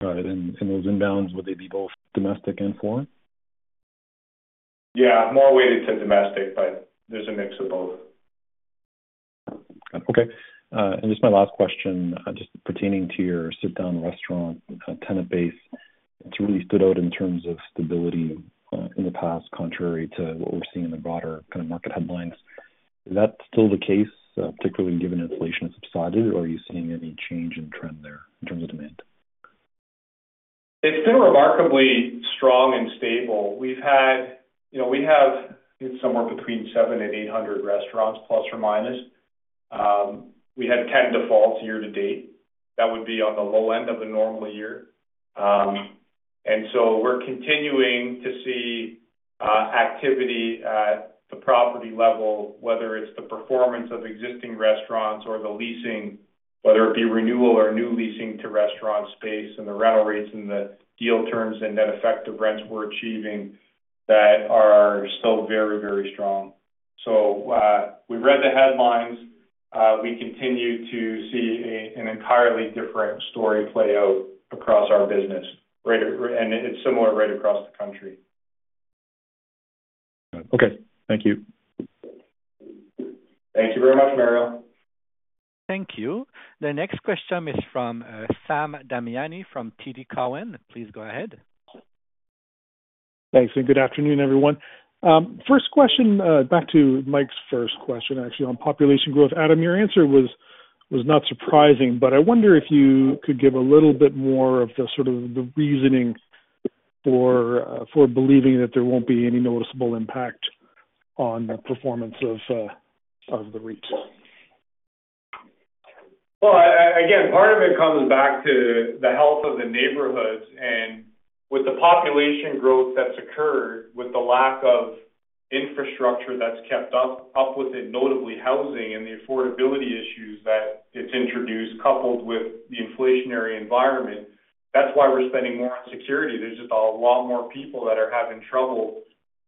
Got it. And those inbounds, would they be both domestic and foreign? Yeah. More weighted to domestic, but there's a mix of both. Got it. Okay. And just my last question, just pertaining to your sit-down restaurant tenant base, it's really stood out in terms of stability in the past, contrary to what we're seeing in the broader kind of market headlines. Is that still the case, particularly given inflation has subsided, or are you seeing any change in trend there in terms of demand? It's been remarkably strong and stable. We've had somewhere between ±700 and ±800 restaurants. We had 10 defaults year-to-date. That would be on the low end of a normal year, and so we're continuing to see activity at the property level, whether it's the performance of existing restaurants or the leasing, whether it be renewal or new leasing to restaurant space, and the rental rates and the deal terms and net effective rents we're achieving that are still very, very strong, so we read the headlines. We continue to see an entirely different story play out across our business, and it's similar right across the country. Got it. Okay. Thank you. Thank you very much, Mario. Thank you. The next question is from Sam Damiani from TD Cowen. Please go ahead. Thanks, and good afternoon, everyone. First question, back to Mike's first question, actually, on population growth. Adam, your answer was not surprising, but I wonder if you could give a little bit more of the sort of the reasoning for believing that there won't be any noticeable impact on the performance of the rates? Well, again, part of it comes back to the health of the neighborhoods. And with the population growth that's occurred, with the lack of infrastructure that's kept up with it, notably housing and the affordability issues that it's introduced, coupled with the inflationary environment, that's why we're spending more on security. There's just a lot more people that are having trouble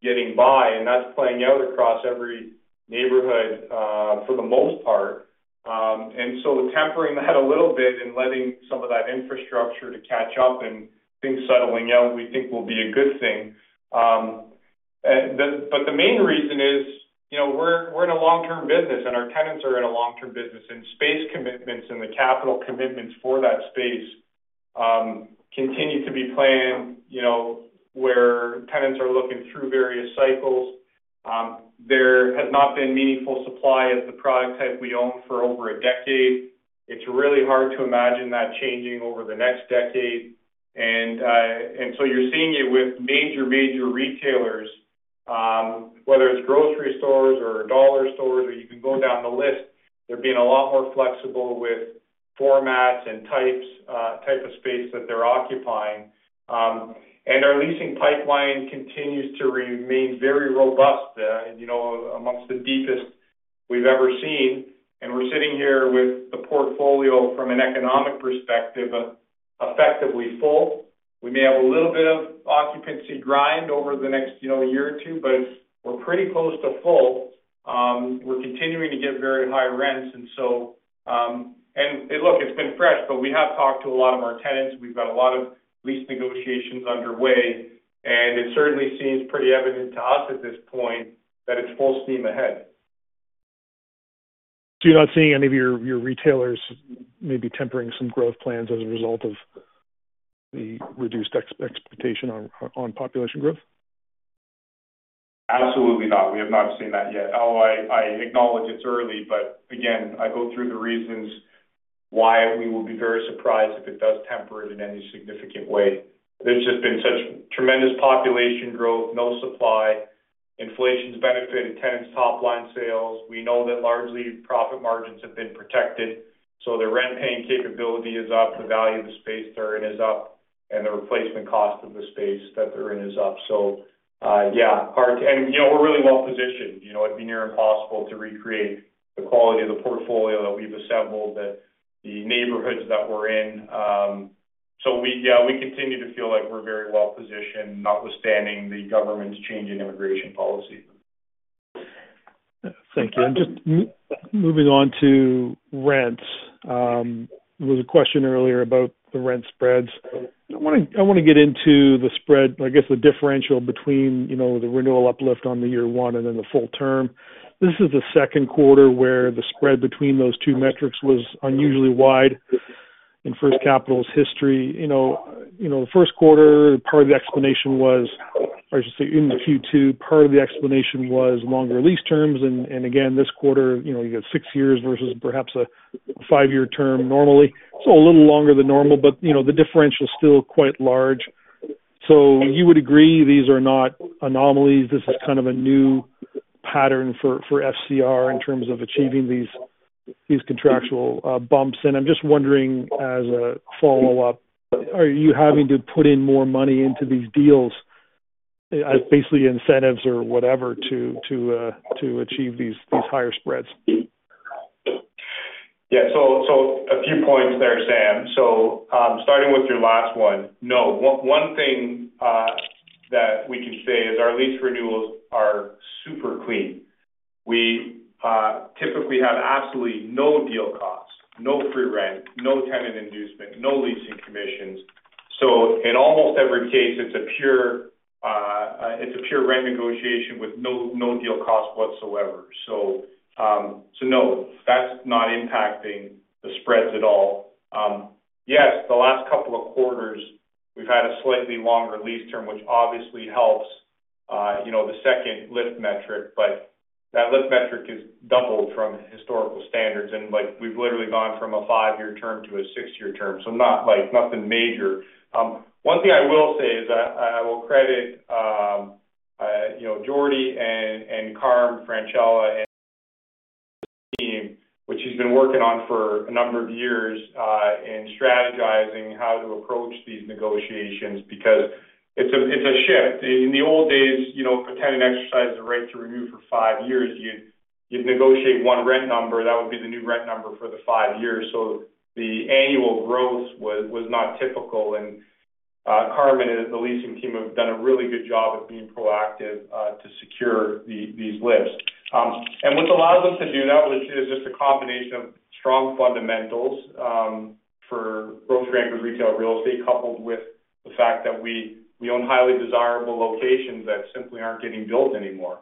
getting by. And that's playing out across every neighborhood for the most part. And so tempering that a little bit and letting some of that infrastructure to catch up and things settling out, we think will be a good thing. But the main reason is we're in a long-term business, and our tenants are in a long-term business. And space commitments and the capital commitments for that space continue to be planned where tenants are looking through various cycles. There has not been meaningful supply of the product type we own for over a decade. It's really hard to imagine that changing over the next decade. And so you're seeing it with major, major retailers, whether it's grocery stores or dollar stores, or you can go down the list. They're being a lot more flexible with formats and types of space that they're occupying. And our leasing pipeline continues to remain very robust amongst the deepest we've ever seen. And we're sitting here with the portfolio from an economic perspective, effectively full. We may have a little bit of occupancy grind over the next year or two, but we're pretty close to full. We're continuing to get very high rents. And look, it's been fresh, but we have talked to a lot of our tenants. We've got a lot of lease negotiations underway. And it certainly seems pretty evident to us at this point that it's full steam ahead. So you're not seeing any of your retailers maybe tempering some growth plans as a result of the reduced expectation on population growth? Absolutely not. We have not seen that yet. Oh, I acknowledge it's early. But again, I go through the reasons why we will be very surprised if it does temper it in any significant way. There's just been such tremendous population growth, no supply. Inflation's benefited tenants' top-line sales. We know that largely profit margins have been protected. So the rent-paying capability is up. The value of the space they're in is up. And the replacement cost of the space that they're in is up. So yeah, hard to, and we're really well-positioned. It'd be near impossible to recreate the quality of the portfolio that we've assembled, the neighborhoods that we're in. So yeah, we continue to feel like we're very well-positioned, notwithstanding the government's change in immigration policy. Thank you. And just moving on to rents, there was a question earlier about the rent spreads. I want to get into the spread, I guess, the differential between the renewal uplift on the year one and then the full term. This is the second quarter where the spread between those two metrics was unusually wide in First Capital's history. The first quarter, part of the explanation was, or I should say in Q2, part of the explanation was longer lease terms. And again, this quarter, you got six years versus perhaps a five-year term normally. So a little longer than normal, but the differential's still quite large. So you would agree these are not anomalies. This is kind of a new pattern for FCR in terms of achieving these contractual bumps. And I'm just wondering, as a follow-up, are you having to put in more money into these deals as basically incentives or whatever to achieve these higher spreads? Yeah. So a few points there, Sam. So starting with your last one, no. One thing that we can say is our lease renewals are super clean. We typically have absolutely no deal cost, no free rent, no tenant inducement, no leasing commissions. In almost every case, it's a pure rent negotiation with no deal cost whatsoever. So no, that's not impacting the spreads at all. Yes, the last couple of quarters, we've had a slightly longer lease term, which obviously helps the second lift metric. But that lift metric has doubled from historical standards. And we've literally gone from a five-year term to a six-year term. So nothing major. One thing I will say is I will credit Jordy and Carm Francella, which he's been working on for a number of years in strategizing how to approach these negotiations because it's a shift. In the old days, a tenant exercised the right to renew for five years. You'd negotiate one rent number. That would be the new rent number for the five years. So the annual growth was not typical. Carm and the leasing team have done a really good job of being proactive to secure these lifts. What's allowed them to do that is just a combination of strong fundamentals for grocery-anchored retail real estate, coupled with the fact that we own highly desirable locations that simply aren't getting built anymore.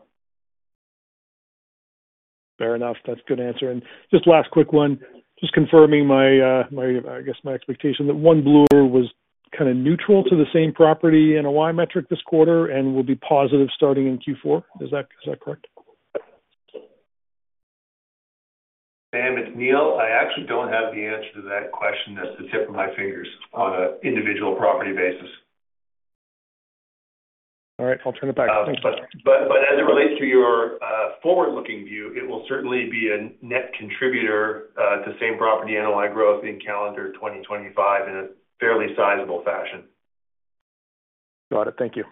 Fair enough. That's a good answer. Just last quick one, just confirming, I guess, my expectation that One Bloor East was kind of neutral to the same property NOI metric this quarter and will be positive starting in Q4. Is that correct? Sam, it's Neil. I actually don't have the answer to that question at the tip of my tongue on an individual property basis. All right. I'll turn it back. Thanks. But as it relates to your forward-looking view, it will certainly be a net contributor to same property NOI growth in calendar 2025 in a fairly sizable fashion. Got it. Thank you.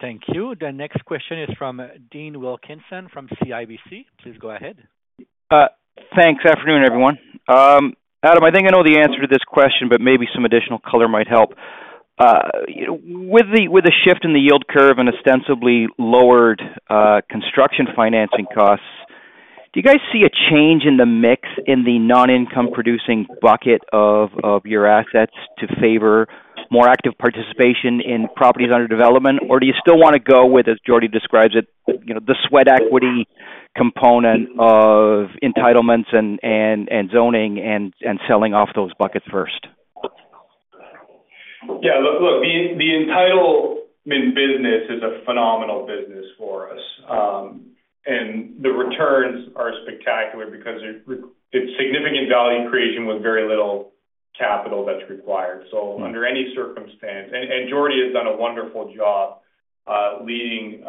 Thank you. The next question is from Dean Wilkinson from CIBC. Please go ahead. Thanks. Afternoon, everyone. Adam, I think I know the answer to this question, but maybe some additional color might help. With the shift in the yield curve and ostensibly lowered construction financing costs, do you guys see a change in the mix in the non-income-producing bucket of your assets to favor more active participation in properties under development? Or do you still want to go with, as Jordy describes it, the sweat equity component of entitlements and zoning and selling off those buckets first? Yeah. Look, the entitlement business is a phenomenal business for us. And the returns are spectacular because it's significant value creation with very little capital that's required. So under any circumstance, and Jordy has done a wonderful job leading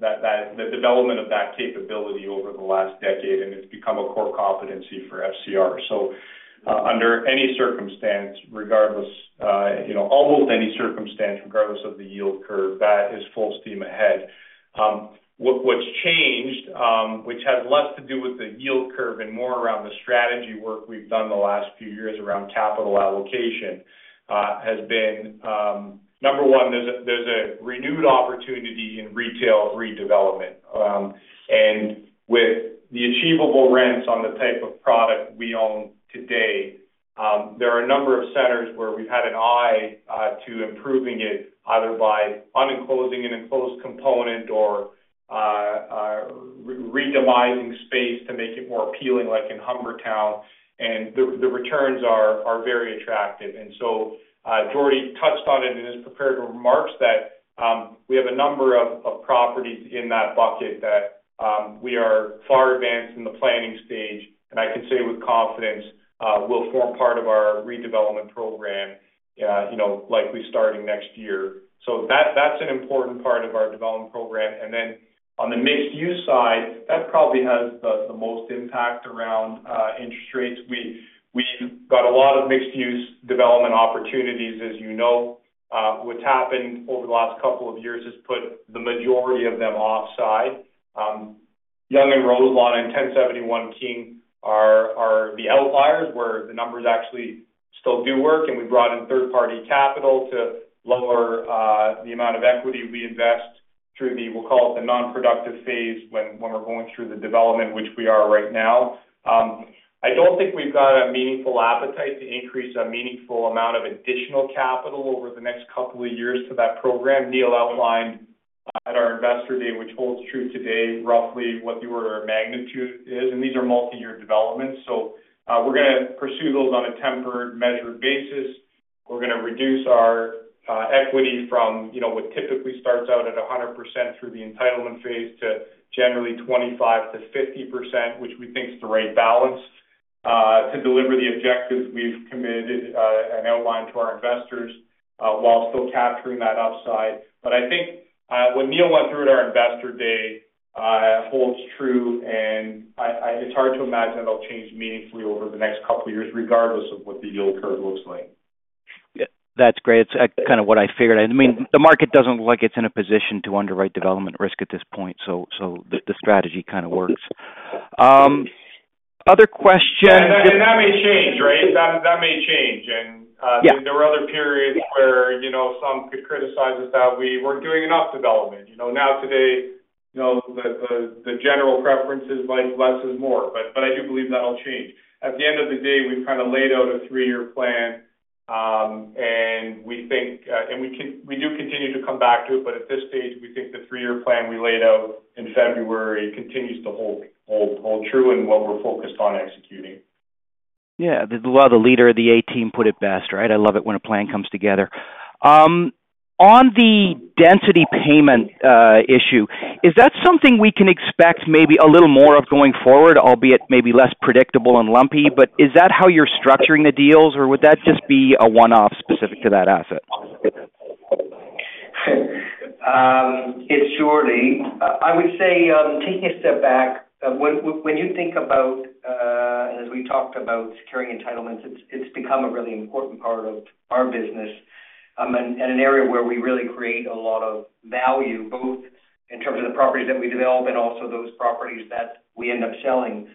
the development of that capability over the last decade, and it's become a core competency for FCR. So under any circumstance, regardless, almost any circumstance, regardless of the yield curve, that is full steam ahead. What's changed, which has less to do with the yield curve and more around the strategy work we've done the last few years around capital allocation, has been, number one, there's a renewed opportunity in retail redevelopment. And with the achievable rents on the type of product we own today, there are a number of centers where we've had an eye to improving it, either by unenclosing an enclosed component or redeveloping space to make it more appealing, like in Humbertown. And the returns are very attractive. And so Jordy touched on it in his prepared remarks that we have a number of properties in that bucket that we are far advanced in the planning stage. And I can say with confidence we'll form part of our redevelopment program likely starting next year. So that's an important part of our development program. And then on the mixed-use side, that probably has the most impact around interest rates. We've got a lot of mixed-use development opportunities. As you know, what's happened over the last couple of years has put the majority of them offside. Yonge & Roselawn and 1071 King are the outliers where the numbers actually still do work. And we brought in third-party capital to lower the amount of equity we invest through the, we'll call it the non-productive phase when we're going through the development, which we are right now. I don't think we've got a meaningful appetite to increase a meaningful amount of additional capital over the next couple of years to that program. Neil outlined at our investor day, which holds true today, roughly what your magnitude is, and these are multi-year developments, so we're going to pursue those on a tempered, measured basis. We're going to reduce our equity from what typically starts out at 100% through the entitlement phase to generally 25%-50%, which we think is the right balance to deliver the objectives we've committed and outlined to our investors while still capturing that upside, but I think what Neil went through at our investor day holds true, and it's hard to imagine it'll change meaningfully over the next couple of years, regardless of what the yield curve looks like. That's great. It's kind of what I figured. I mean, the market doesn't look like it's in a position to underwrite development risk at this point. So the strategy kind of works. Other questions? And that may change, right? That may change. And there were other periods where some could criticize us that we weren't doing enough development. Now, today, the general preference is less is more. But I do believe that'll change. At the end of the day, we've kind of laid out a three-year plan. And we think, and we do continue to come back to it. But at this stage, we think the three-year plan we laid out in February continues to hold true in what we're focused on executing. Yeah. The leader of the A team put it best, right? I love it when a plan comes together. On the density payment issue, is that something we can expect maybe a little more of going forward, albeit maybe less predictable and lumpy? But is that how you're structuring the deals, or would that just be a one-off specific to that asset? It's Jordy. I would say taking a step back, when you think about, and as we talked about securing entitlements, it's become a really important part of our business and an area where we really create a lot of value, both in terms of the properties that we develop and also those properties that we end up selling.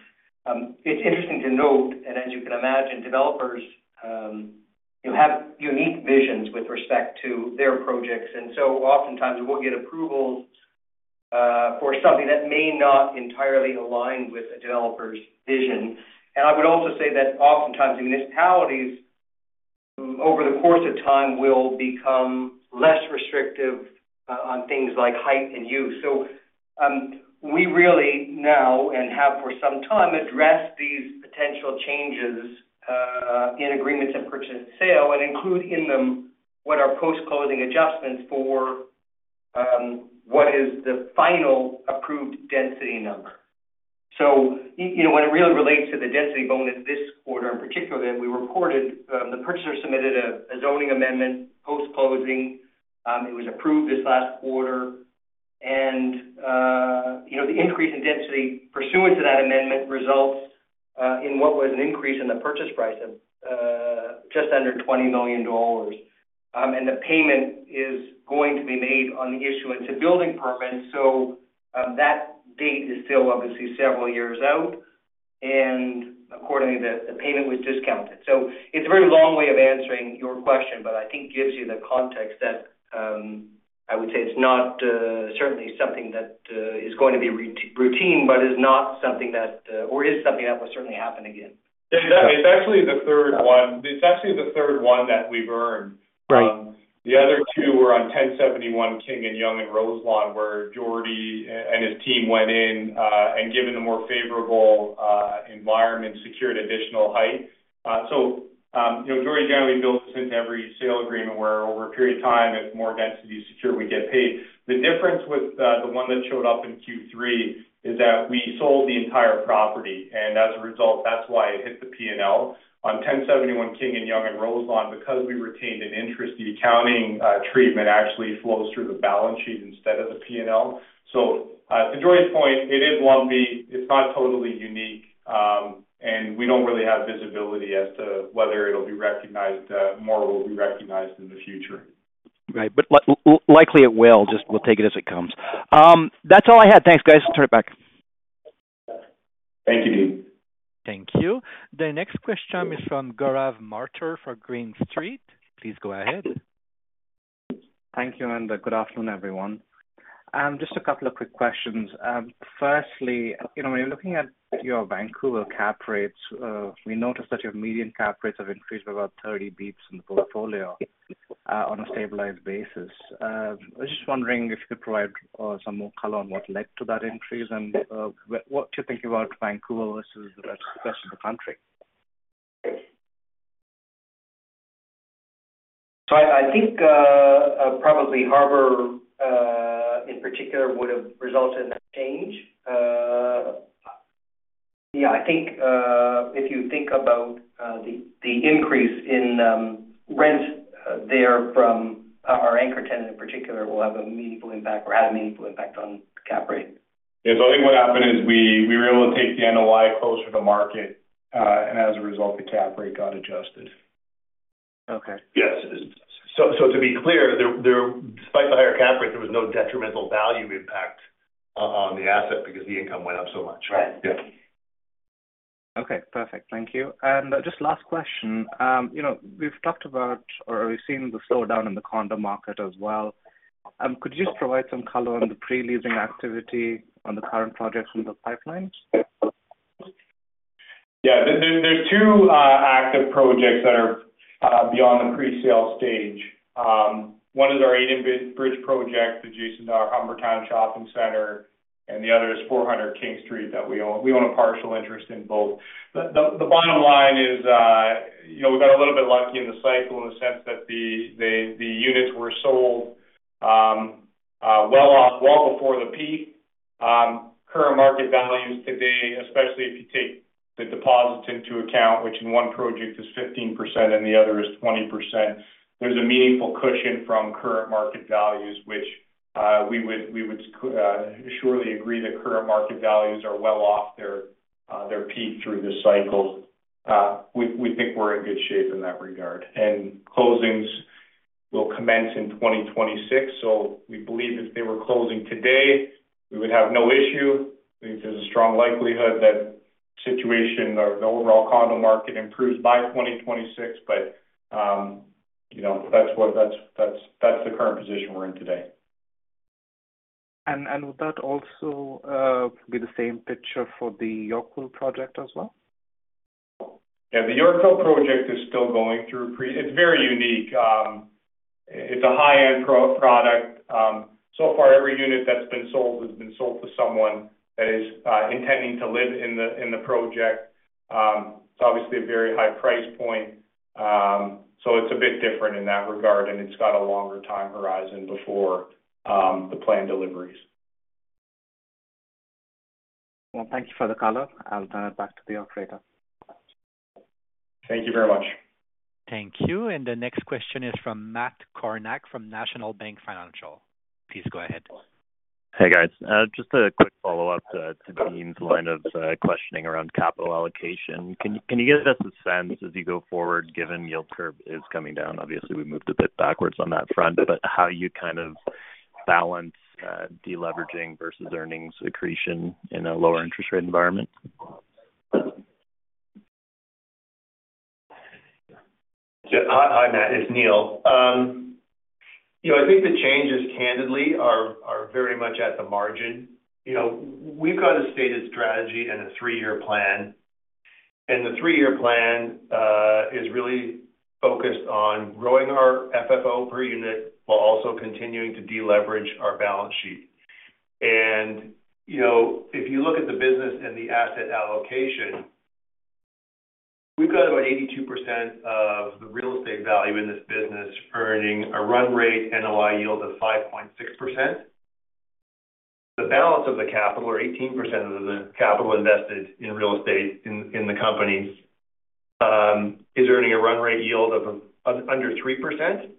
It's interesting to note, and as you can imagine, developers have unique visions with respect to their projects. And so oftentimes, we'll get approvals for something that may not entirely align with a developer's vision. I would also say that oftentimes, municipalities over the course of time will become less restrictive on things like height and use. So we really now and have for some time addressed these potential changes in agreements of purchase and sale and include in them what are post-closing adjustments for what is the final approved density number. So when it really relates to the density bonus this quarter in particular, we reported the purchaser submitted a zoning amendment post-closing. It was approved this last quarter. And the increase in density pursuant to that amendment results in what was an increase in the purchase price of just under 20 million dollars. And the payment is going to be made on the issuance of building permits. So that date is still, obviously, several years out. And accordingly, the payment was discounted. So it's a very long way of answering your question, but I think gives you the context that I would say it's not certainly something that is going to be routine, but is not something that—or is something that will certainly happen again. It's actually the third one. It's actually the third one that we've earned. The other two were on 1071 King and Yonge & Roselawn, where Jordy and his team went in and, given a more favorable environment, secured additional height. So Jordy generally builds into every sale agreement where, over a period of time, as more density is secured, we get paid. The difference with the one that showed up in Q3 is that we sold the entire property. And as a result, that's why it hit the P&L. On 1071 King and Yonge & Roselawn, because we retained an interest, the accounting treatment actually flows through the balance sheet instead of the P&L. So to Jordy's point, it is lumpy. It's not totally unique. And we don't really have visibility as to whether it'll be recognized more or will be recognized in the future. Right. But likely it will. Just we'll take it as it comes. That's all I had. Thanks, guys. I'll turn it back. Thank you, Dean. Thank you. The next question is from Gaurav Mathur for Green Street. Please go ahead. Thank you. And good afternoon, everyone. Just a couple of quick questions. Firstly, when you're looking at your Vancouver cap rates, we noticed that your median cap rates have increased by about 30 beats in the portfolio on a stabilized basis. I was just wondering if you could provide some more color on what led to that increase and what you're thinking about Vancouver versus the rest of the country. So I think probably Harbor in particular would have resulted in that change. Yeah. I think if you think about the increase in rents there from our anchor tenant in particular will have a meaningful impact or had a meaningful impact on cap rate. Yeah. So I think what happened is we were able to take the NOI closer to market. And as a result, the cap rate got adjusted. Yes. So to be clear, despite the higher cap rate, there was no detrimental value impact on the asset because the income went up so much. Right. Yeah. Okay. Perfect. Thank you. And just last question. We've talked about or we've seen the slowdown in the condo market as well. Could you just provide some color on the pre-leasing activity on the current projects in the pipelines? Yeah. There's two active projects that are beyond the pre-sale stage. One is our Edenbridge project adjacent to our Humbertown Shopping Center. And the other is 400 King Street that we own. We own a partial interest in both. The bottom line is we got a little bit lucky in the cycle in the sense that the units were sold well before the peak. Current market values today, especially if you take the deposits into account, which in one project is 15% and the other is 20%, there's a meaningful cushion from current market values, which we would surely agree that current market values are well off their peak through this cycle. We think we're in good shape in that regard. And closings will commence in 2026. So we believe if they were closing today, we would have no issue. I think there's a strong likelihood that situation or the overall condo market improves by 2026. But that's the current position we're in today. And would that also be the same picture for the Yorkville project as well? Yeah. The Yorkville project is still going through. It's very unique. It's a high-end product. So far, every unit that's been sold has been sold to someone that is intending to live in the project. It's obviously a very high price point. So it's a bit different in that regard. And it's got a longer time horizon before the planned deliveries. Well, thank you for the color. I'll turn it back to the operator. Thank you very much. Thank you. And the next question is from Matt Kornack from National Bank Financial. Please go ahead. Hey, guys. Just a quick follow-up to Dean's line of questioning around capital allocation. Can you give us a sense as you go forward, given yield curve is coming down? Obviously, we moved a bit backwards on that front. But how do you kind of balance deleveraging versus earnings accretion in a lower interest rate environment? Hi, Matt. It's Neil. I think the changes, candidly, are very much at the margin. We've got a stated strategy and a three-year plan. And the three-year plan is really focused on growing our FFO per unit while also continuing to deleverage our balance sheet. And if you look at the business and the asset allocation, we've got about 82% of the real estate value in this business earning a run rate NOI yield of 5.6%. The balance of the capital, or 18% of the capital invested in real estate in the companies, is earning a run rate yield of under 3%,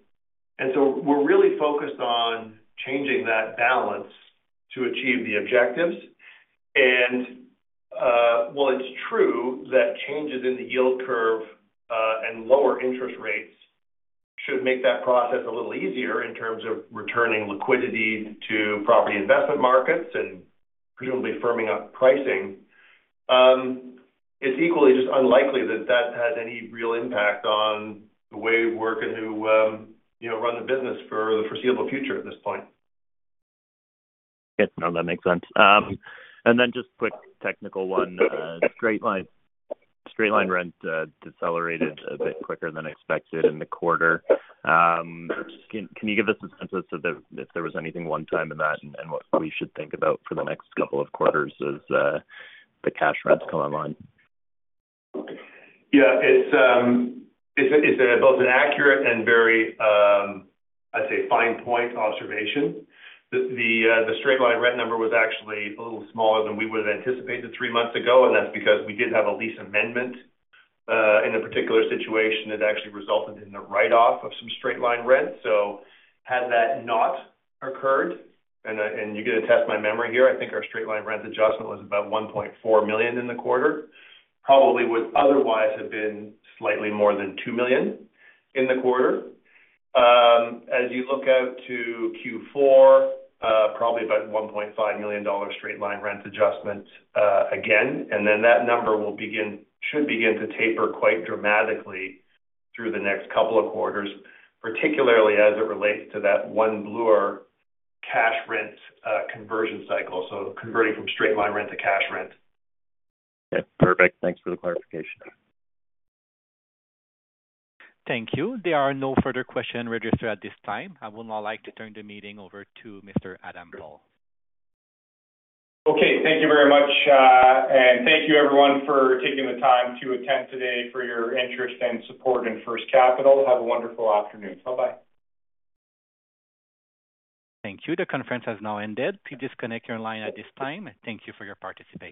and so we're really focused on changing that balance to achieve the objectives, and while it's true that changes in the yield curve and lower interest rates should make that process a little easier in terms of returning liquidity to property investment markets and presumably firming up pricing, it's equally just unlikely that that has any real impact on the way we work and how we run the business for the foreseeable future at this point. Yeah. No, that makes sense, and then just quick technical one. Straight-line rent decelerated a bit quicker than expected in the quarter. Can you give us a sense as to if there was anything one-time in that and what we should think about for the next couple of quarters as the cash rents come online? Yeah. It's both an accurate and very, I'd say, fine-point observation. The straight line rent number was actually a little smaller than we would have anticipated three months ago. And that's because we did have a lease amendment in a particular situation that actually resulted in the write-off of some straight line rent. So had that not occurred, and you get to test my memory here, I think our straight line rent adjustment was about 1.4 million in the quarter, probably would otherwise have been slightly more than 2 million in the quarter. As you look out to Q4, probably about 1.5 million dollar straight line rent adjustment again. And then that number should begin to taper quite dramatically through the next couple of quarters, particularly as it relates to that One Bloor cash rent conversion cycle. So converting from straight line rent to cash rent. Yeah. Perfect. Thanks for the clarification. Thank you. There are no further questions registered at this time. I would now like to turn the meeting over to Mr. Adam Paul. Okay. Thank you very much. And thank you, everyone, for taking the time to attend today for your interest and support in First Capital. Have a wonderful afternoon. Bye-bye. Thank you. The conference has now ended. Please disconnect your line at this time. Thank you for your participation.